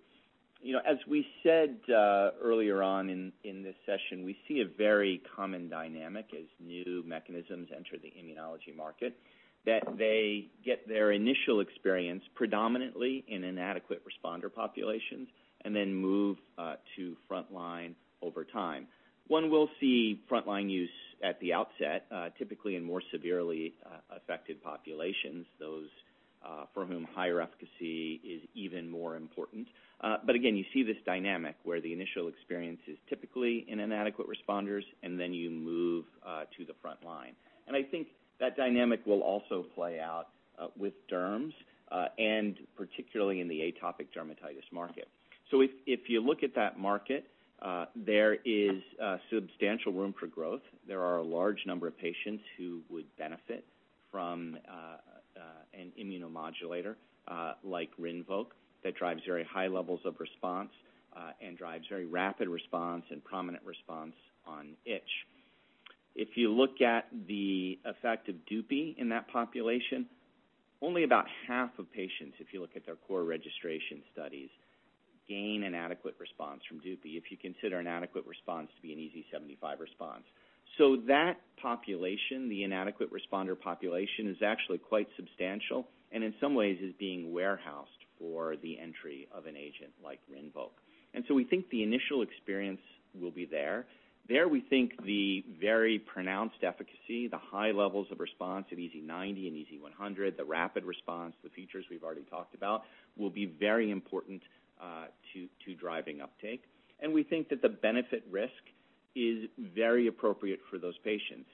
As we said earlier on in this session, we see a very common dynamic as new mechanisms enter the immunology market, that they get their initial experience predominantly in inadequate responder populations, and then move to frontline over time. One will see frontline use at the outset, typically in more severely affected populations, those for whom higher efficacy is even more important. Again, you see this dynamic where the initial experience is typically in inadequate responders, and then you move to the frontline. I think that dynamic will also play out with derms, and particularly in the atopic dermatitis market. If you look at that market, there is substantial room for growth. There are a large number of patients who would benefit from an immunomodulator like RINVOQ that drives very high levels of response and drives very rapid response, and prominent response on itch. If you look at the effect of DUPI in that population, only about half of patients, if you look at their core registration studies, gain an adequate response from DUPI if you consider an adequate response to be an EASI 75 response. That population, the inadequate responder population, is actually quite substantial and in some ways is being warehoused for the entry of an agent like RINVOQ. We think the initial experience will be there. We think the very pronounced efficacy, the high levels of response at EASI 90 and EASI 100, the rapid response, the features we've already talked about, will be very important to driving uptake. We think that the benefit risk is very appropriate for those patients.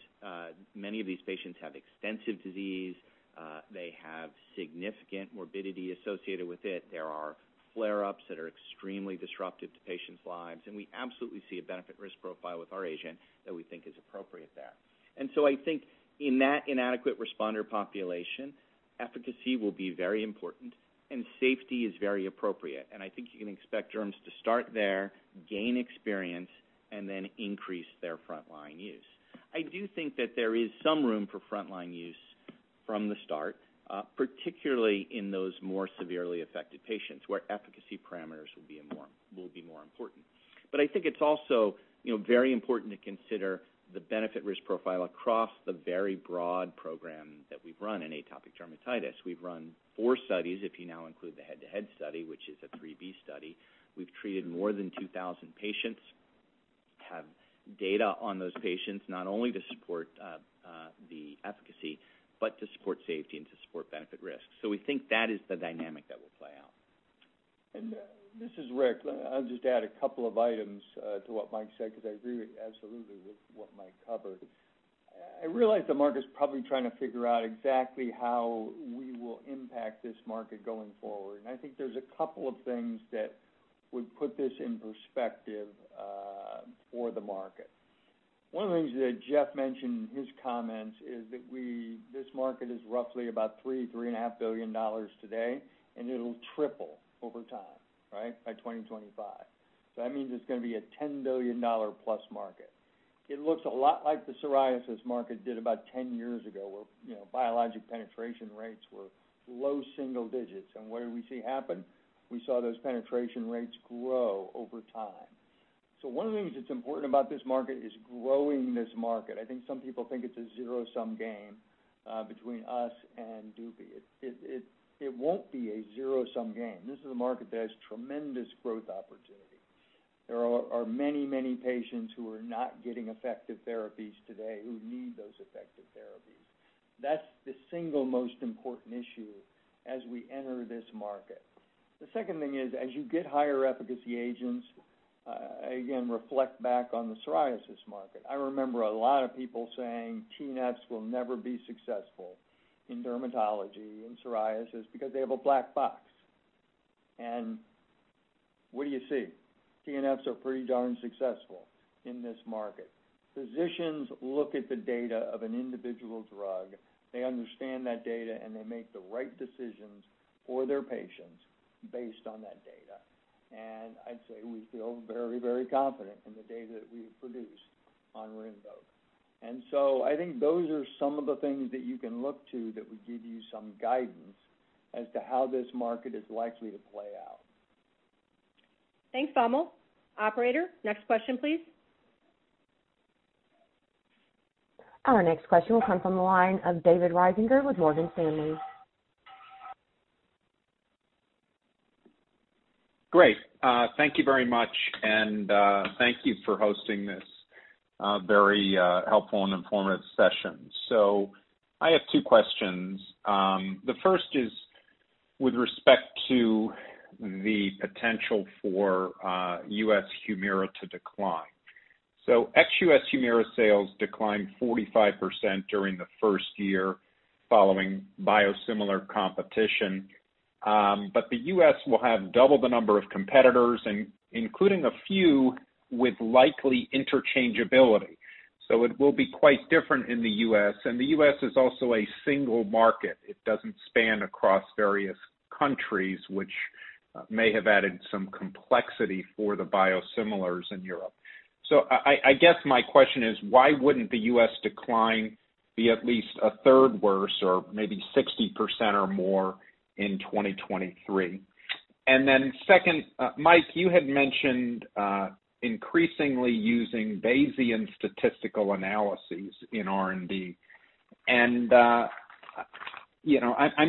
Many of these patients have extensive disease. They have significant morbidity associated with it. There are flare-ups that are extremely disruptive to patients' lives, and we absolutely see a benefit risk profile with our agent that we think is appropriate there. I think in that inadequate responder population, efficacy will be very important and safety is very appropriate. I think you can expect derms to start there, gain experience, and then increase their frontline use. I do think that there is some room for frontline use from the start, particularly in those more severely affected patients, where efficacy parameters will be more important. I think it's also very important to consider the benefit risk profile across the very broad program that we've run in atopic dermatitis. We've run four studies, if you now include the head-to-head study, which is a III-B study. We've treated more than 2,000 patients, have data on those patients, not only to support the efficacy, but to support safety and to support benefit risk. We think that is the dynamic that will play out. This is Rick. I'll just add a couple of items to what Mike said, because I agree absolutely with what Mike covered. I realize the market's probably trying to figure out exactly how we will impact this market going forward. I think there's a couple of things that would put this in perspective for the market. One of the things that Jeff mentioned in his comments is that this market is roughly about $3 billion-$3.5 billion today, and it'll triple over time by 2025. That means it's going to be a $10 billion plus market. It looks a lot like the psoriasis market did about 10 years ago, where biologic penetration rates were low single digits. What did we see happen? We saw those penetration rates grow over time. One of the things that's important about this market is growing this market. I think some people think it's a zero-sum game between us and DUPI. It won't be a zero-sum game. This is a market that has tremendous growth opportunity. There are many, many patients who are not getting effective therapies today who need those effective therapies. That's the single most important issue as we enter this market. The second thing is, as you get higher efficacy agents, again, reflect back on the psoriasis market. I remember a lot of people saying TNFs will never be successful in dermatology, in psoriasis, because they have a black box. What do you see? TNFs are pretty darn successful in this market. Physicians look at the data of an individual drug, they understand that data, and they make the right decisions for their patients based on that data. I'd say we feel very, very confident in the data that we've produced on RINVOQ. I think those are some of the things that you can look to that would give you some guidance as to how this market is likely to play out. Thanks, Vamil. Operator, next question, please. Our next question will come from the line of David Risinger with Morgan Stanley. Great. Thank you very much. Thank you for hosting this very helpful and informative session. I have two questions. The first is with respect to the potential for U.S. HUMIRA to decline. Ex-U.S. HUMIRA sales declined 45% during the first year following biosimilar competition. The U.S. will have double the number of competitors, including a few with likely interchangeability. It will be quite different in the U.S., and the U.S. is also a single market. It doesn't span across various countries, which may have added some complexity for the biosimilars in Europe. I guess my question is, why wouldn't the U.S. decline be at least a third worse, or maybe 60% or more in 2023? Second, Mike, you had mentioned increasingly using Bayesian statistical analysis in R&D. I'm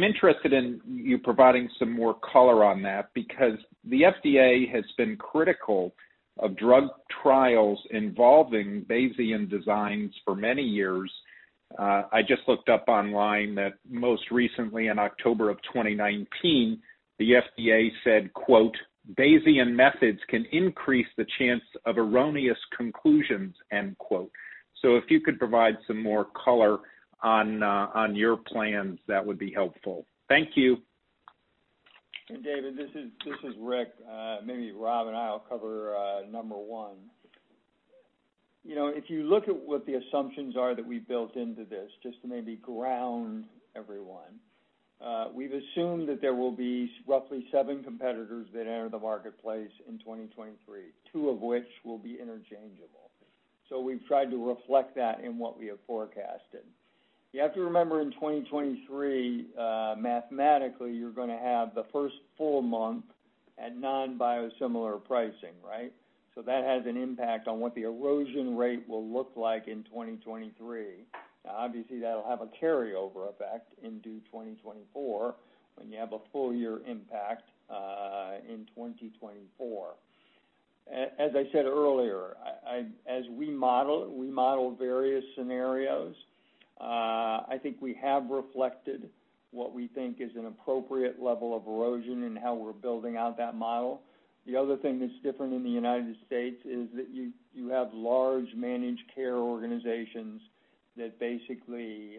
interested in you providing some more color on that, because the FDA has been critical of drug trials involving Bayesian designs for many years. I just looked up online that most recently in October of 2019, the FDA said, quote, "Bayesian methods can increase the chance of erroneous conclusions," end quote. If you could provide some more color on your plans, that would be helpful. Thank you. David, this is Rick. Maybe Rob and I will cover number one. If you look at what the assumptions are that we built into this, just to maybe ground everyone, we've assumed that there will be roughly seven competitors that enter the marketplace in 2023, two of which will be interchangeable. We've tried to reflect that in what we have forecasted. You have to remember, in 2023, mathematically, you're going to have the first full month at non-biosimilar pricing, right? That has an impact on what the erosion rate will look like in 2023. Obviously, that'll have a carryover effect into 2024 when you have a full-year impact in 2024. As I said earlier, as we model various scenarios, I think we have reflected what we think is an appropriate level of erosion in how we're building out that model. The other thing that's different in the United States is that you have large managed care organizations that basically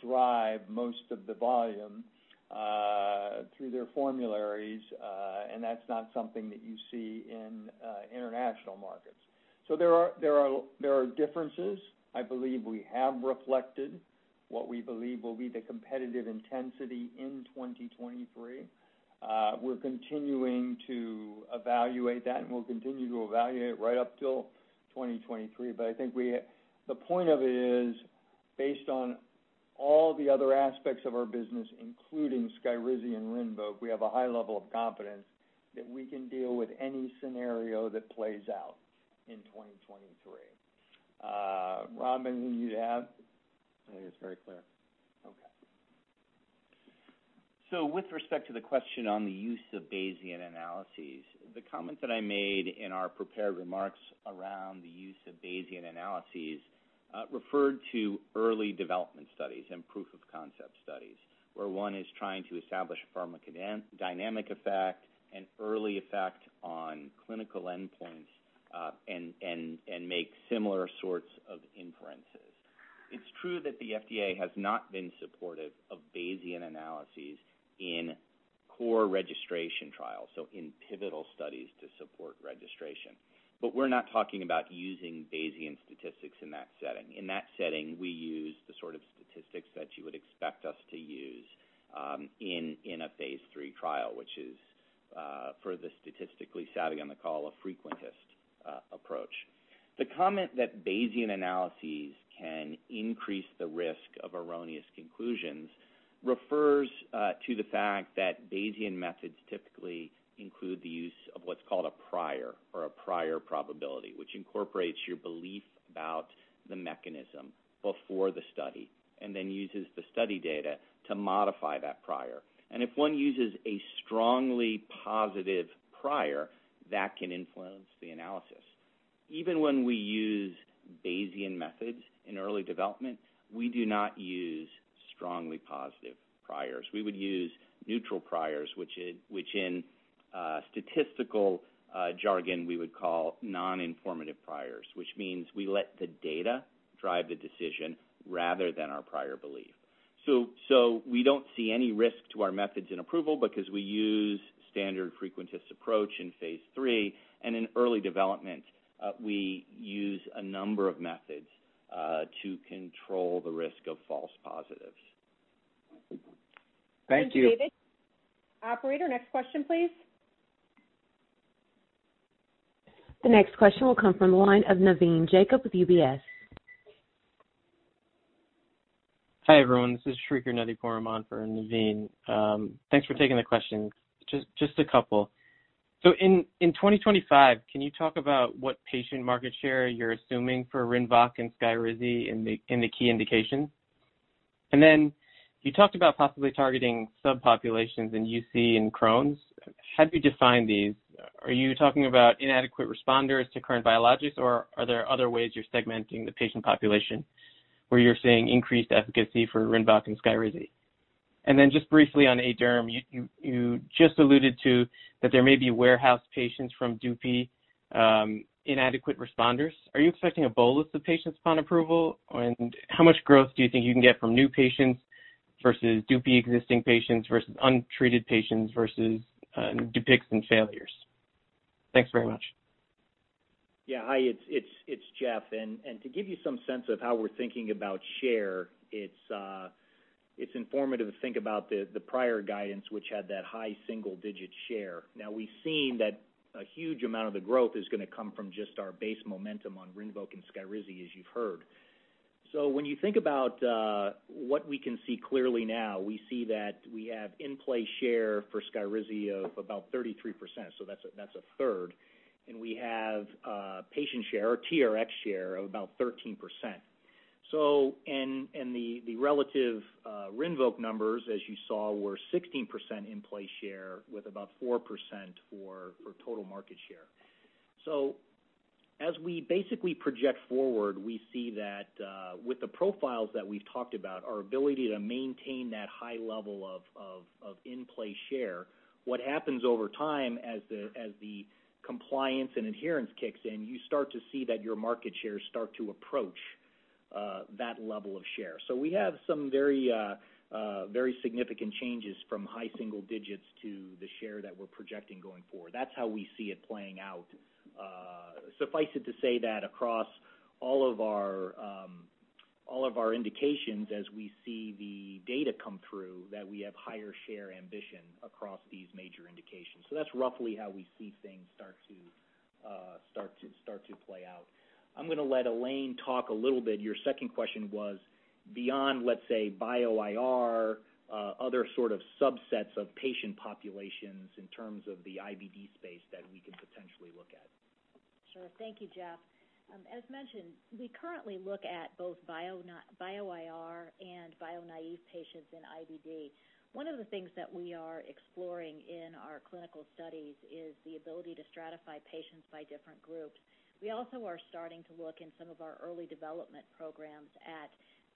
drive most of the volume through their formularies, and that's not something that you see in international markets. There are differences. I believe we have reflected what we believe will be the competitive intensity in 2023. We're continuing to evaluate that, and we'll continue to evaluate right up till 2023. I think the point of it is, based on all the other aspects of our business, including SKYRIZI and RINVOQ, we have a high level of confidence that we can deal with any scenario that plays out in 2023. Rob, anything you'd add? I think it's very clear. Okay. With respect to the question on the use of Bayesian analyses, the comment that I made in our prepared remarks around the use of Bayesian analysis referred to early development studies and proof-of-concept studies, where one is trying to establish pharmacodynamic effect and early effect on clinical endpoints, and make similar sorts of inferences. It's true that the FDA has not been supportive of Bayesian analysis in core registration trials, so in pivotal studies to support registration. We're not talking about using Bayesian statistics in that setting. In that setting, we use the sort of statistics that you would expect us to use in a phase III trial, which is, for the statistically savvy on the call, a frequentist approach. The comment that Bayesian analysis can increase the risk of erroneous conclusions refers to the fact that Bayesian methods typically include the use of what's called a prior or a prior probability, which incorporates your belief about the mechanism before the study, and then uses the study data to modify that prior. If one uses a strongly positive prior, that can influence the analysis. Even when we use Bayesian methods in early development, we do not use strongly positive priors. We would use neutral priors, which in statistical jargon we would call non-informative priors, which means we let the data drive the decision rather than our prior belief. We don't see any risk to our methods in approval because we use standard frequentist approach in phase III, and in early development, we use a number of methods to control the risk of false positives. Thank you. Thanks, David. Operator, next question, please. The next question will come from the line of Navin Jacob with UBS. Hi, everyone. This is uncertain for Navin. Thanks for taking the questions. Just a couple. In 2025, can you talk about what patient market share you're assuming for RINVOQ and SKYRIZI in the key indications? You talked about possibly targeting subpopulations in UC and Crohn's. How do you define these? Are you talking about inadequate responders to current biologics, or are there other ways you're segmenting the patient population where you're seeing increased efficacy for RINVOQ and SKYRIZI? Just briefly on ADUHELM, you just alluded to that there may be warehouse patients from DUPI, inadequate responders. Are you expecting a bolus of patients upon approval? How much growth do you think you can get from new patients versus DUPI existing patients versus untreated patients versus DUPIXENT failures? Thanks very much. Yeah. Hi, it's Jeff. To give you some sense of how we're thinking about share, it's informative to think about the prior guidance, which had that high single-digit share. We've seen that a huge amount of the growth is going to come from just our base momentum on RINVOQ and SKYRIZI, as you've heard. When you think about what we can see clearly now, we see that we have in-play share for SKYRIZI of about 33%, so that's a third, and we have patient share or TRx share of about 13%. The relative RINVOQ numbers, as you saw, were 16% in-play share with about 4% for total market share. As we basically project forward, we see that with the profiles that we've talked about, our ability to maintain that high level of in-play share, what happens over time as the compliance and adherence kicks in, you start to see that your market shares start to approach that level of share. We have some very significant changes from high single-digits to the share that we're projecting going forward. That's how we see it playing out. Suffice it to say that across all of our indications, as we see the data come through, that we have higher share ambition across these major indications. That's roughly how we see things start to play out. I'm going to let Elaine talk a little bit. Your second question was beyond, let's say, bio-IR, other sort of subsets of patient populations in terms of the IBD space that we could potentially look at. Sure. Thank you, Jeff. As mentioned, we currently look at both bio-IR and bio naive patients in IBD. One of the things that we are exploring in our clinical studies is the ability to stratify patients by different groups. We also are starting to look in some of our early development programs at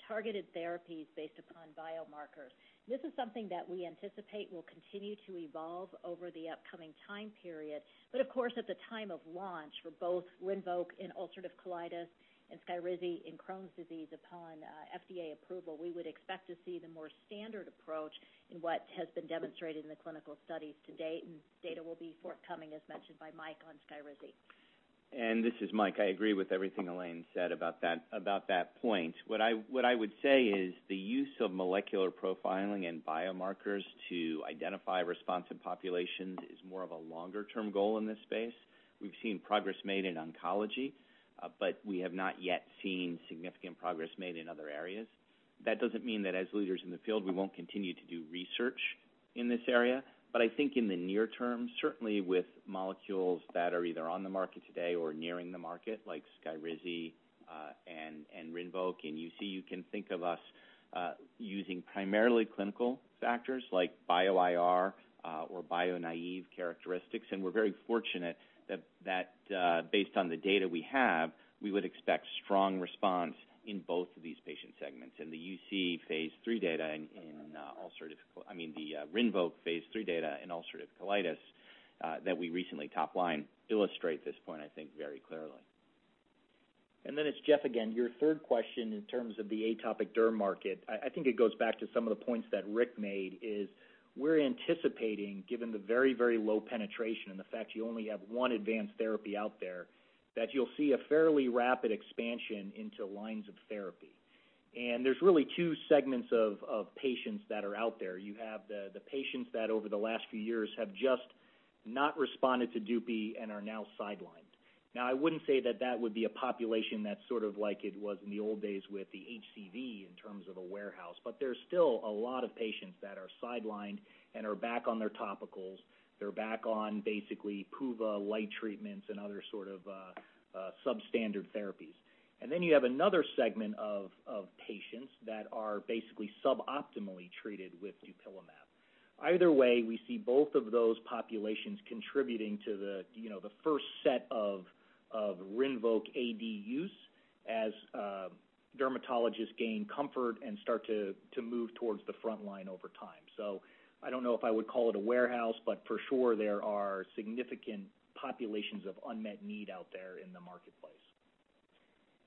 targeted therapies based upon biomarkers. This is something that we anticipate will continue to evolve over the upcoming time period. Of course, at the time of launch for both RINVOQ in ulcerative colitis and SKYRIZI in Crohn's disease, upon FDA approval, we would expect to see the more standard approach in what has been demonstrated in the clinical studies to date, and data will be forthcoming, as mentioned by Mike on SKYRIZI. This is Mike. I agree with everything Elaine said about that point. What I would say is the use of molecular profiling and biomarkers to identify responsive populations is more of a longer-term goal in this space. We've seen progress made in oncology, but we have not yet seen significant progress made in other areas. That doesn't mean that as leaders in the field, we won't continue to do research in this area. I think in the near term, certainly with molecules that are either on the market today or nearing the market, like SKYRIZI, and RINVOQ, and UC, you can think of us using primarily clinical factors like bio-IR or bio naive characteristics. We're very fortunate that based on the data we have, we would expect strong response in both of these patient segments. In the UC phase III data. I mean, the RINVOQ phase III data in ulcerative colitis that we recently top-lined illustrate this point, I think, very clearly. Then it's Jeff again. Your third question in terms of the atopic derm market, I think it goes back to some of the points that Rick made, is we're anticipating, given the very very low penetration and the fact you only have one advanced therapy out there, that you'll see a fairly rapid expansion into lines of therapy. There's really two segments of patients that are out there. You have the patients that over the last few years, have just not responded to DUPI and are now sidelined. I wouldn't say that that would be a population that's sort of like it was in the old days with the HCV in terms of a warehouse, but there's still a lot of patients that are sidelined and are back on their topicals. They're back on basically PUVA light treatments and other sort of substandard therapies. You have another segment of patients that are basically suboptimally treated with dupilumab. Either way, we see both of those populations contributing to the first set of RINVOQ AD use as dermatologists gain comfort and start to move towards the front line over time. I don't know if I would call it a warehouse, but for sure, there are significant populations of unmet need out there in the marketplace.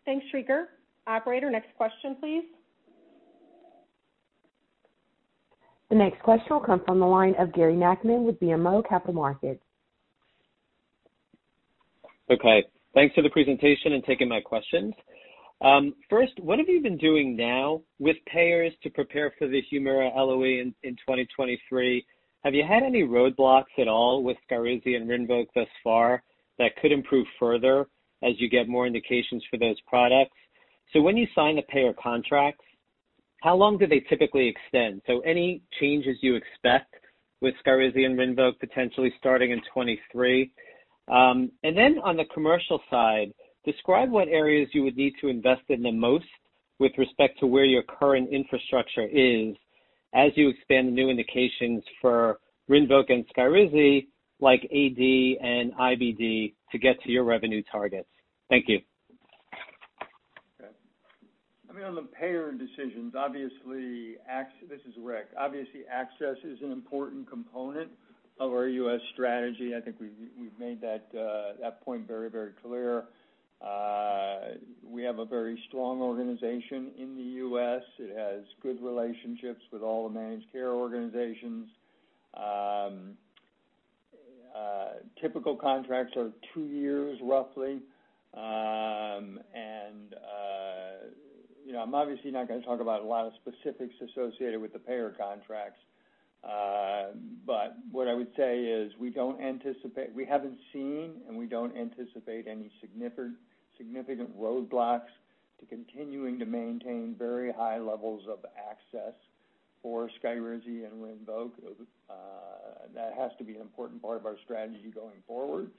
Thanks, Srikirn. Operator, next question, please. The next question will come from the line of Gary Nachman with BMO Capital Markets. Okay. Thanks for the presentation and taking my questions. First, what have you been doing now with payers to prepare for the HUMIRA LOE in 2023? Have you had any roadblocks at all with SKYRIZI and RINVOQ thus far that could improve further as you get more indications for those products? When you sign the payer contracts, how long do they typically extend? Any changes you expect with SKYRIZI and RINVOQ potentially starting in 2023? Then on the commercial side, describe what areas you would need to invest in the most with respect to where your current infrastructure is as you expand new indications for RINVOQ and SKYRIZI, like AD and IBD, to get to your revenue targets? Thank you. Okay. I mean, on the payer decisions, This is Rick. access is an important component of our U.S. strategy. I think we've made that point very, very clear. We have a very strong organization in the U.S.. It has good relationships with all the managed care organizations. Typical contracts are two years, roughly. I'm obviously not going to talk about a lot of specifics associated with the payer contracts. What I would say is we haven't seen, and we don't anticipate any significant roadblocks to continuing to maintain very high levels of access for SKYRIZI and RINVOQ. That has to be an important part of our strategy going forward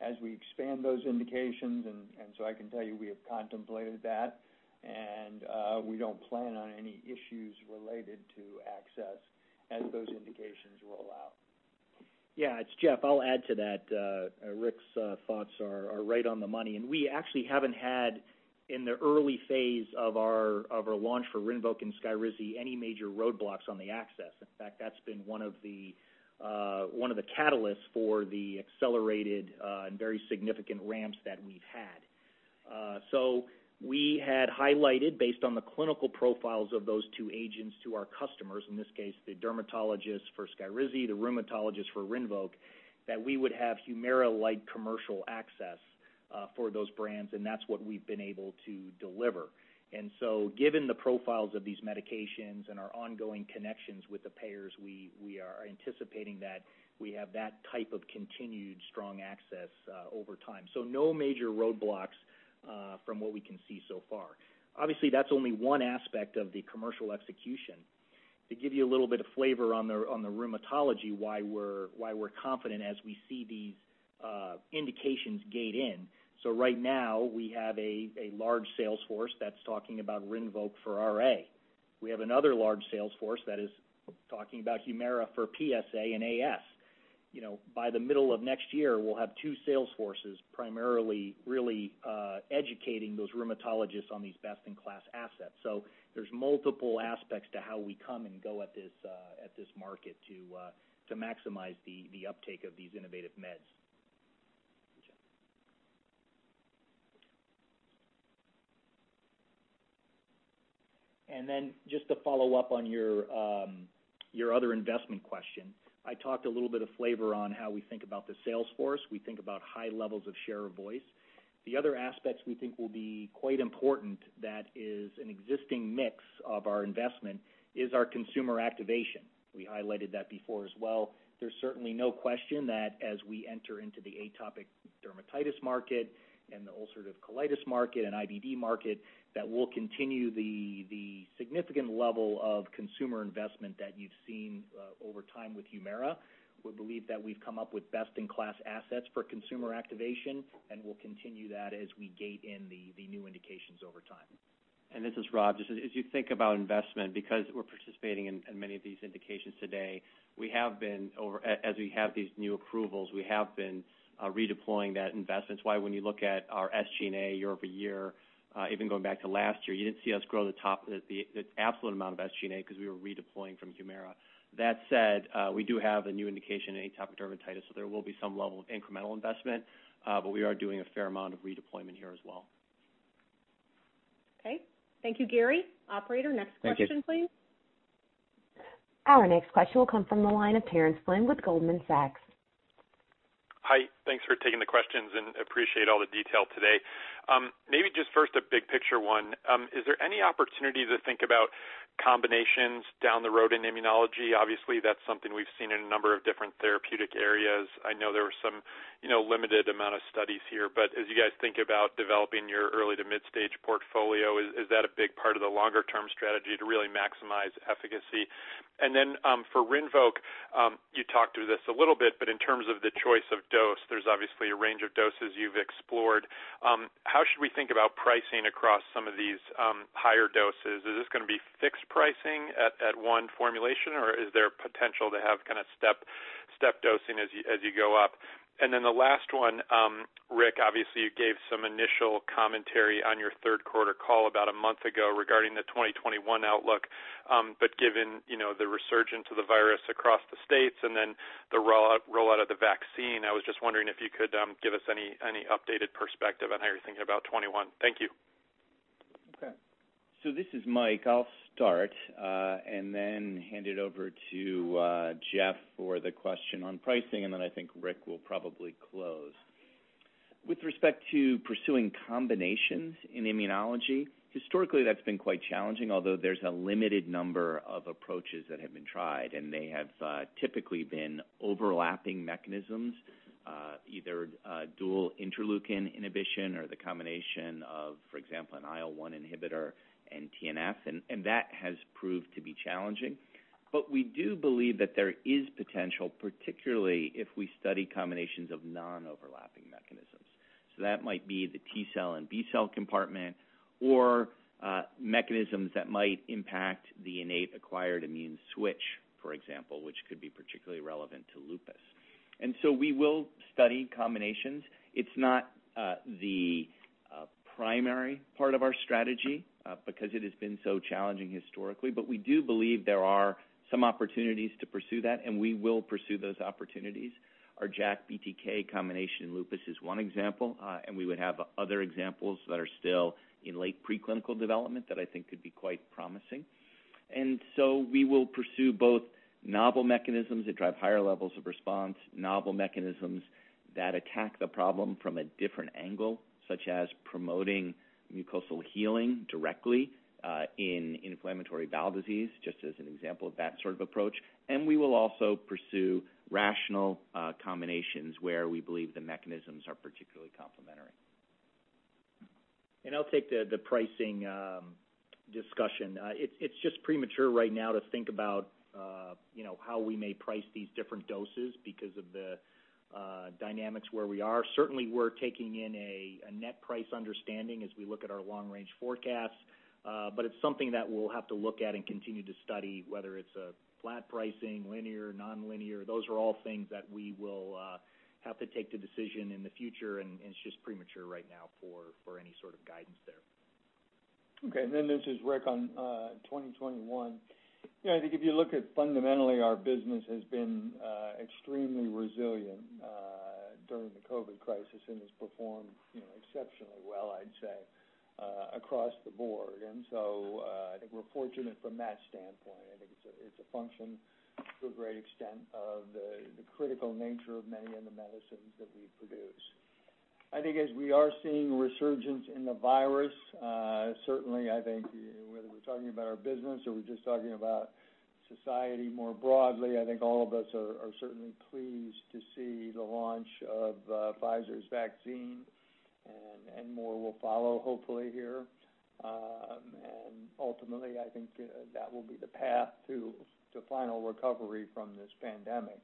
as we expand those indications. I can tell you we have contemplated that, and we don't plan on any issues related to access as those indications roll out. Yeah, it's Jeff. I'll add to that. Rick's thoughts are right on the money. We actually haven't had, in the early phase of our launch for RINVOQ and SKYRIZI, any major roadblocks on the access. In fact, that's been one of the catalysts for the accelerated and very significant ramps that we've had. We had highlighted, based on the clinical profiles of those two agents to our customers, in this case, the dermatologists for SKYRIZI, the rheumatologists for RINVOQ, that we would have HUMIRA-like commercial access for those brands, and that's what we've been able to deliver. Given the profiles of these medications and our ongoing connections with the payers, we are anticipating that we have that type of continued strong access over time. No major roadblocks from what we can see so far. Obviously, that's only one aspect of the commercial execution. To give you a little bit of flavor on the rheumatology, why we're confident as we see these indications gate in. Right now we have a large sales force that's talking about RINVOQ for RA. We have another large sales force that is talking about HUMIRA for PsA and AS. By the middle of next year, we'll have two sales forces primarily really educating those rheumatologists on these best-in-class assets. There's multiple aspects to how we come and go at this market to maximize the uptake of these innovative meds. Just to follow up on your other investment question, I talked a little bit of flavor on how we think about the sales force. We think about high levels of share of voice. The other aspects we think will be quite important that is an existing mix of our investment is our consumer activation. We highlighted that before as well. There's certainly no question that as we enter into the atopic dermatitis market and the ulcerative colitis market and IBD market, that we'll continue the significant level of consumer investment that you've seen over time with HUMIRA. We believe that we've come up with best-in-class assets for consumer activation, and we'll continue that as we gate in the new indications over time. This is Rob. As you think about investment, because we're participating in many of these indications today, as we have these new approvals, we have been redeploying that investment. That's why when you look at our SG&A year-over-year, even going back to last year, you didn't see us grow the absolute amount of SG&A because we were redeploying from HUMIRA. That said, we do have a new indication in atopic dermatitis. There will be some level of incremental investment, but we are doing a fair amount of redeployment here as well. Okay. Thank you, Gary. Operator, next question, please. Our next question will come from the line of Terence Flynn with Goldman Sachs. Hi. Thanks for taking the questions and appreciate all the detail today. Just first a big picture one. Is there any opportunity to think about combinations down the road in immunology? That's something we've seen in a number of different therapeutic areas. I know there were some limited amount of studies here, but as you guys think about developing your early to mid-stage portfolio, is that a big part of the longer-term strategy to really maximize efficacy? For RINVOQ, you talked through this a little bit, but in terms of the choice of dose, there's obviously a range of doses you've explored. How should we think about pricing across some of these higher doses? Is this going to be fixed pricing at one formulation, or is there potential to have kind of step dosing as you go up? The last one, Rick, obviously, you gave some initial commentary on your third quarter call about a month ago regarding the 2021 outlook. Given the resurgence of the virus across the states and then the rollout of the vaccine, I was just wondering if you could give us any updated perspective on how you're thinking about 2021? Thank you. Okay. This is Mike. I'll start, and then hand it over to Jeff for the question on pricing, and then I think Rick will probably close. With respect to pursuing combinations in immunology, historically, that's been quite challenging, although there's a limited number of approaches that have been tried, and they have typically been overlapping mechanisms, either dual interleukin inhibition or the combination of, for example, an IL-1 inhibitor and TNF. That has proved to be challenging. We do believe that there is potential, particularly if we study combinations of non-overlapping mechanisms. That might be the T-cell and B-cell compartment or mechanisms that might impact the innate acquired immune switch, for example, which could be particularly relevant to lupus. We will study combinations. It's not the primary part of our strategy because it has been so challenging historically, but we do believe there are some opportunities to pursue that, and we will pursue those opportunities. Our JAK BTK combination in lupus is one example, and we would have other examples that are still in late preclinical development that I think could be quite promising. We will pursue both novel mechanisms that drive higher levels of response, novel mechanisms that attack the problem from a different angle, such as promoting mucosal healing directly in inflammatory bowel disease, just as an example of that sort of approach. We will also pursue rational combinations where we believe the mechanisms are particularly complementary. I'll take the pricing discussion. It's just premature right now to think about how we may price these different doses because of the dynamics where we are. Certainly, we're taking in a net price understanding as we look at our long-range forecasts. It's something that we'll have to look at and continue to study, whether it's a flat pricing, linear, nonlinear. Those are all things that we will have to take the decision in the future, and it's just premature right now for any sort of guidance there. Okay. This is Rick. On 2021, I think if you look at fundamentally, our business has been extremely resilient during the COVID crisis and has performed exceptionally well across the board. I think we're fortunate from that standpoint. I think it's a function to a great extent of the critical nature of many of the medicines that we produce. I think as we are seeing resurgence in the virus, certainly I think whether we're talking about our business or we're just talking about society more broadly, I think all of us are certainly pleased to see the launch of Pfizer's vaccine and more will follow hopefully here. Ultimately I think that will be the path to final recovery from this pandemic.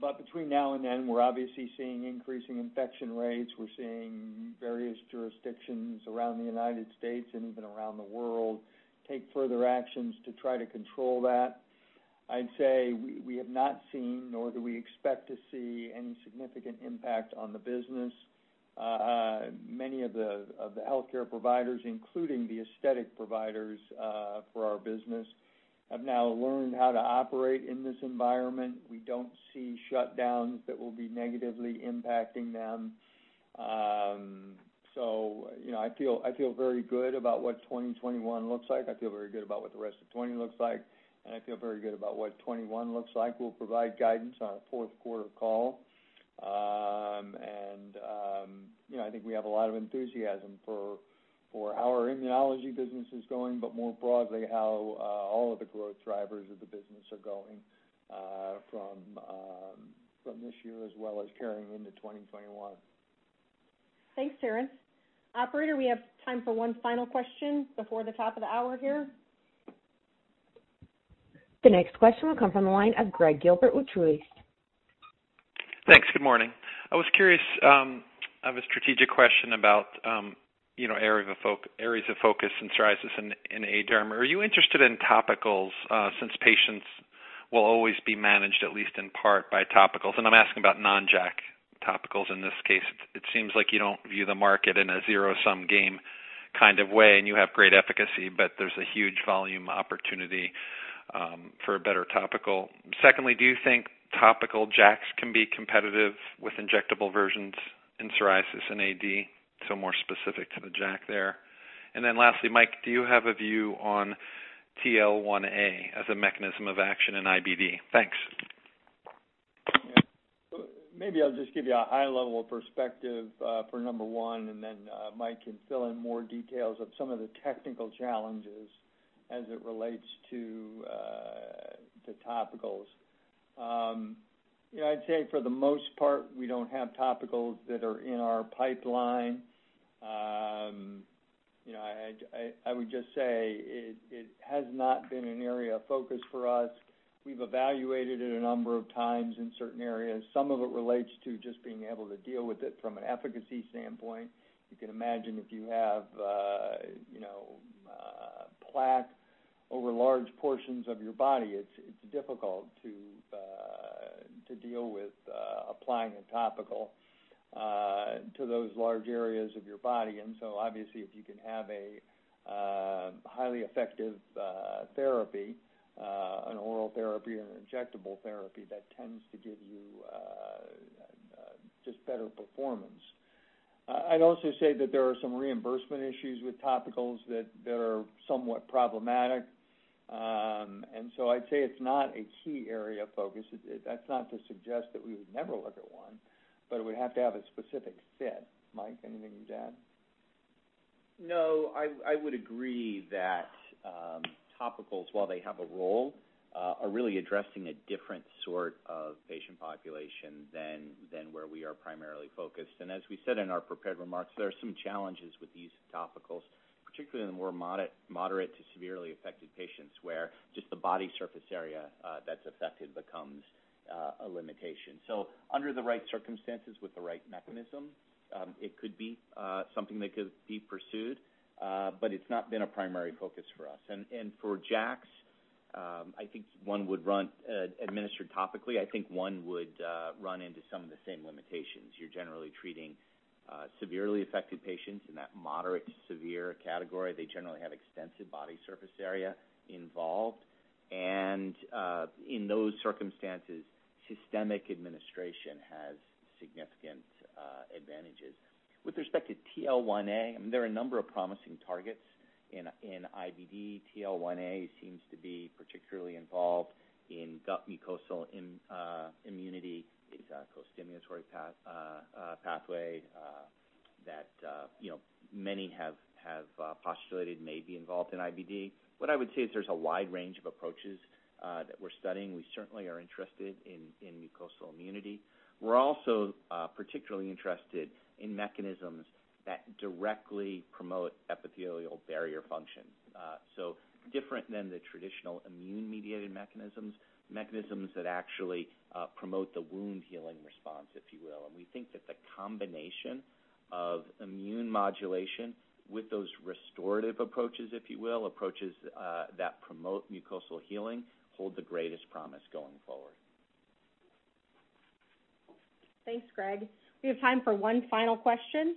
Between now and then, we're obviously seeing increasing infection rates. We're seeing various jurisdictions around the U.S. and even around the world take further actions to try to control that. I'd say we have not seen nor do we expect to see any significant impact on the business. Many of the healthcare providers, including the aesthetic providers for our business, have now learned how to operate in this environment. We don't see shutdowns that will be negatively impacting them. I feel very good about what 2021 looks like. I feel very good about what the rest of 2020 looks like, and I feel very good about what 2021 looks like. We'll provide guidance on our fourth quarter call. I think we have a lot of enthusiasm for how our immunology business is going, but more broadly, how all of the growth drivers of the business are going from this year as well as carrying into 2021. Thanks, Terence. Operator, we have time for one final question before the top of the hour here. The next question will come from the line of Greg Gilbert with Truist. Thanks. Good morning. I was curious, I have a strategic question about areas of focus in psoriasis and AD. Are you interested in topicals, since patients will always be managed at least in part by topicals? I'm asking about non-JAK topicals in this case. It seems like you don't view the market in a zero-sum game kind of way, and you have great efficacy, but there's a huge volume opportunity for a better topical. Secondly, do you think topical JAKs can be competitive with injectable versions in psoriasis and AD? More specific to the JAK there. Lastly, Mike, do you have a view on TL1A as a mechanism of action in IBD? Thanks. Maybe I'll just give you a high-level perspective for number one, then Mike can fill in more details of some of the technical challenges as it relates to topicals. I'd say for the most part, we don't have topicals that are in our pipeline. I would just say it has not been an area of focus for us. We've evaluated it a number of times in certain areas. Some of it relates to just being able to deal with it from an efficacy standpoint. You can imagine if you have plaque over large portions of your body, it's difficult to deal with applying a topical to those large areas of your body. So obviously if you can have a highly effective therapy, an oral therapy or an injectable therapy, that tends to give you just better performance. I'd also say that there are some reimbursement issues with topicals that are somewhat problematic. I'd say it's not a key area of focus. That's not to suggest that we would never look at one, but we'd have to have a specific fit. Mike, anything to add? No, I would agree that topicals, while they have a role, are really addressing a different sort of patient population than where we are primarily focused. As we said in our prepared remarks, there are some challenges with these topicals, particularly in the more moderate to severely affected patients, where just the body surface area that's affected becomes a limitation. Under the right circumstances with the right mechanism, it could be something that could be pursued. It's not been a primary focus for us. For JAKs administered topically, I think one would run into some of the same limitations. You're generally treating severely affected patients in that moderate to severe category. They generally have extensive body surface area involved. In those circumstances, systemic administration has significant advantages. With respect to TL1A, there are a number of promising targets in IBD. TL1A seems to be particularly involved in gut mucosal immunity. It's a co-stimulatory pathway that many have postulated may be involved in IBD. What I would say is there's a wide range of approaches that we're studying. We certainly are interested in mucosal immunity. We're also particularly interested in mechanisms that directly promote epithelial barrier function. Different than the traditional immune-mediated mechanisms. Mechanisms that actually promote the wound-healing response, if you will. And we think that the combination of immune modulation with those restorative approaches, if you will, approaches that promote mucosal healing, holds the greatest promise going forward. Thanks, Greg. We have time for one final question.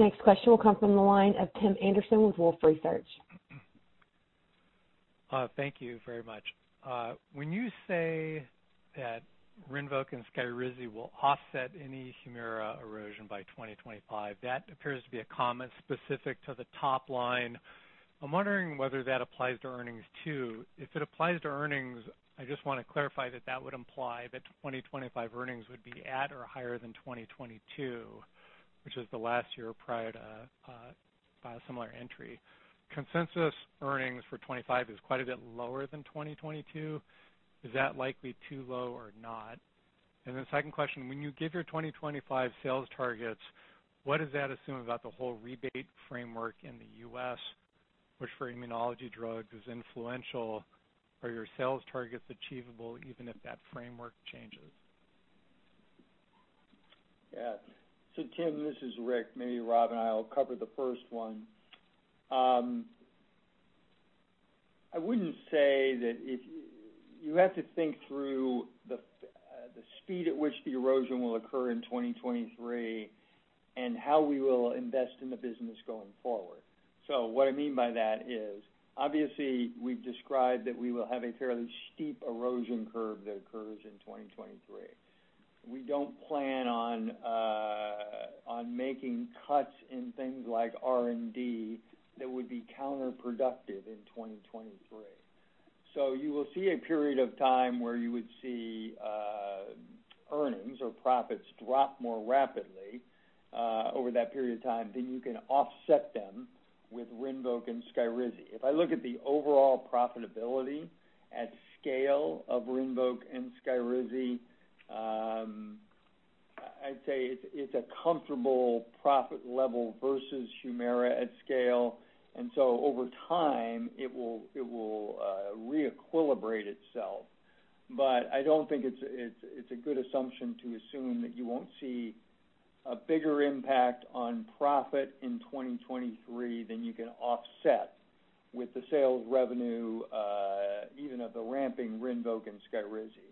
The next question will come from the line of Tim Anderson with Wolfe Research. Thank you very much. When you say that RINVOQ and SKYRIZI will offset any HUMIRA erosion by 2025, that appears to be a comment specific to the top line. I'm wondering whether that applies to earnings too. If it applies to earnings, I just want to clarify that that would imply that 2025 earnings would be at or higher than 2022, which is the last year prior to biosimilar entry. Consensus earnings for 2025 is quite a bit lower than 2022. Is that likely too low or not? Second question, when you give your 2025 sales targets, what does that assume about the whole rebate framework in the U.S. which for immunology drugs is influential? Are your sales targets achievable even if that framework changes? Tim, this is Rick. Maybe Rob and I will cover the first one. You have to think through the speed at which the erosion will occur in 2023 and how we will invest in the business going forward. What I mean by that is, obviously, we've described that we will have a fairly steep erosion curve that occurs in 2023. We don't plan on making cuts in things like R&D that would be counterproductive in 2023. You will see a period of time where you would see earnings or profits drop more rapidly over that period of time than you can offset them with RINVOQ and SKYRIZI. If I look at the overall profitability at scale of RINVOQ and SKYRIZI, I'd say it's a comfortable profit level versus HUMIRA at scale, over time it will re-equilibrate itself. I don't think it's a good assumption to assume that you won't see a bigger impact on profit in 2023 than you can offset with the sales revenue even of the ramping RINVOQ and SKYRIZI.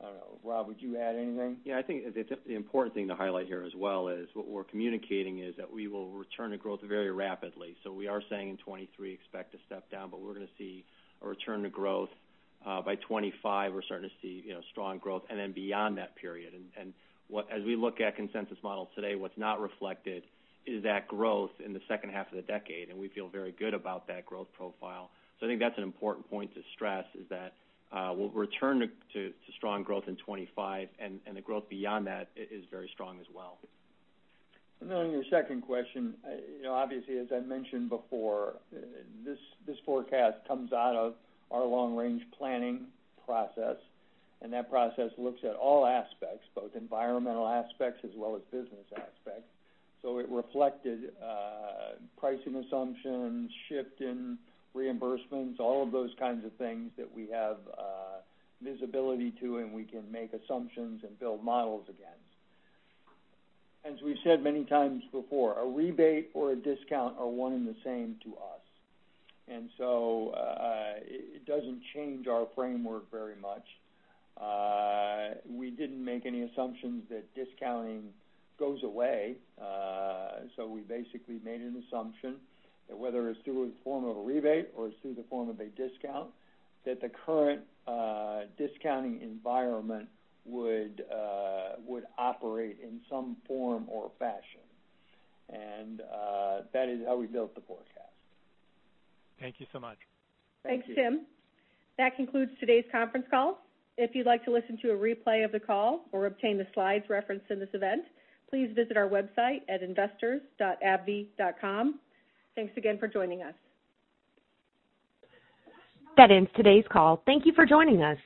I don't know, Rob, would you add anything? Yeah, I think the important thing to highlight here as well is what we're communicating is that we will return to growth very rapidly. We are saying in 2023 expect to step down, but we're going to see a return to growth. By 2025, we're starting to see strong growth, and then beyond that period. As we look at consensus models today, what's not reflected is that growth in the second half of the decade, and we feel very good about that growth profile. I think that's an important point to stress is that we'll return to strong growth in 2025, and the growth beyond that is very strong as well. On your second question, obviously, as I mentioned before, this forecast comes out of our long-range planning process, and that process looks at all aspects, both environmental aspects as well as business aspects. It reflected pricing assumptions, shift in reimbursements, all of those kinds of things that we have visibility to, and we can make assumptions and build models against. As we've said many times before, a rebate or a discount are one and the same to us, and so it doesn't change our framework very much. We didn't make any assumptions that discounting goes away. We basically made an assumption that whether it's through a form of a rebate or it's through the form of a discount, that the current discounting environment would operate in some form or fashion. That is how we built the forecast. Thank you so much. Thanks, Tim. That concludes today's conference call. If you'd like to listen to a replay of the call or obtain the slides referenced in this event, please visit our website at investors.abbvie.com. Thanks again for joining us. That ends today's call. Thank you for joining us.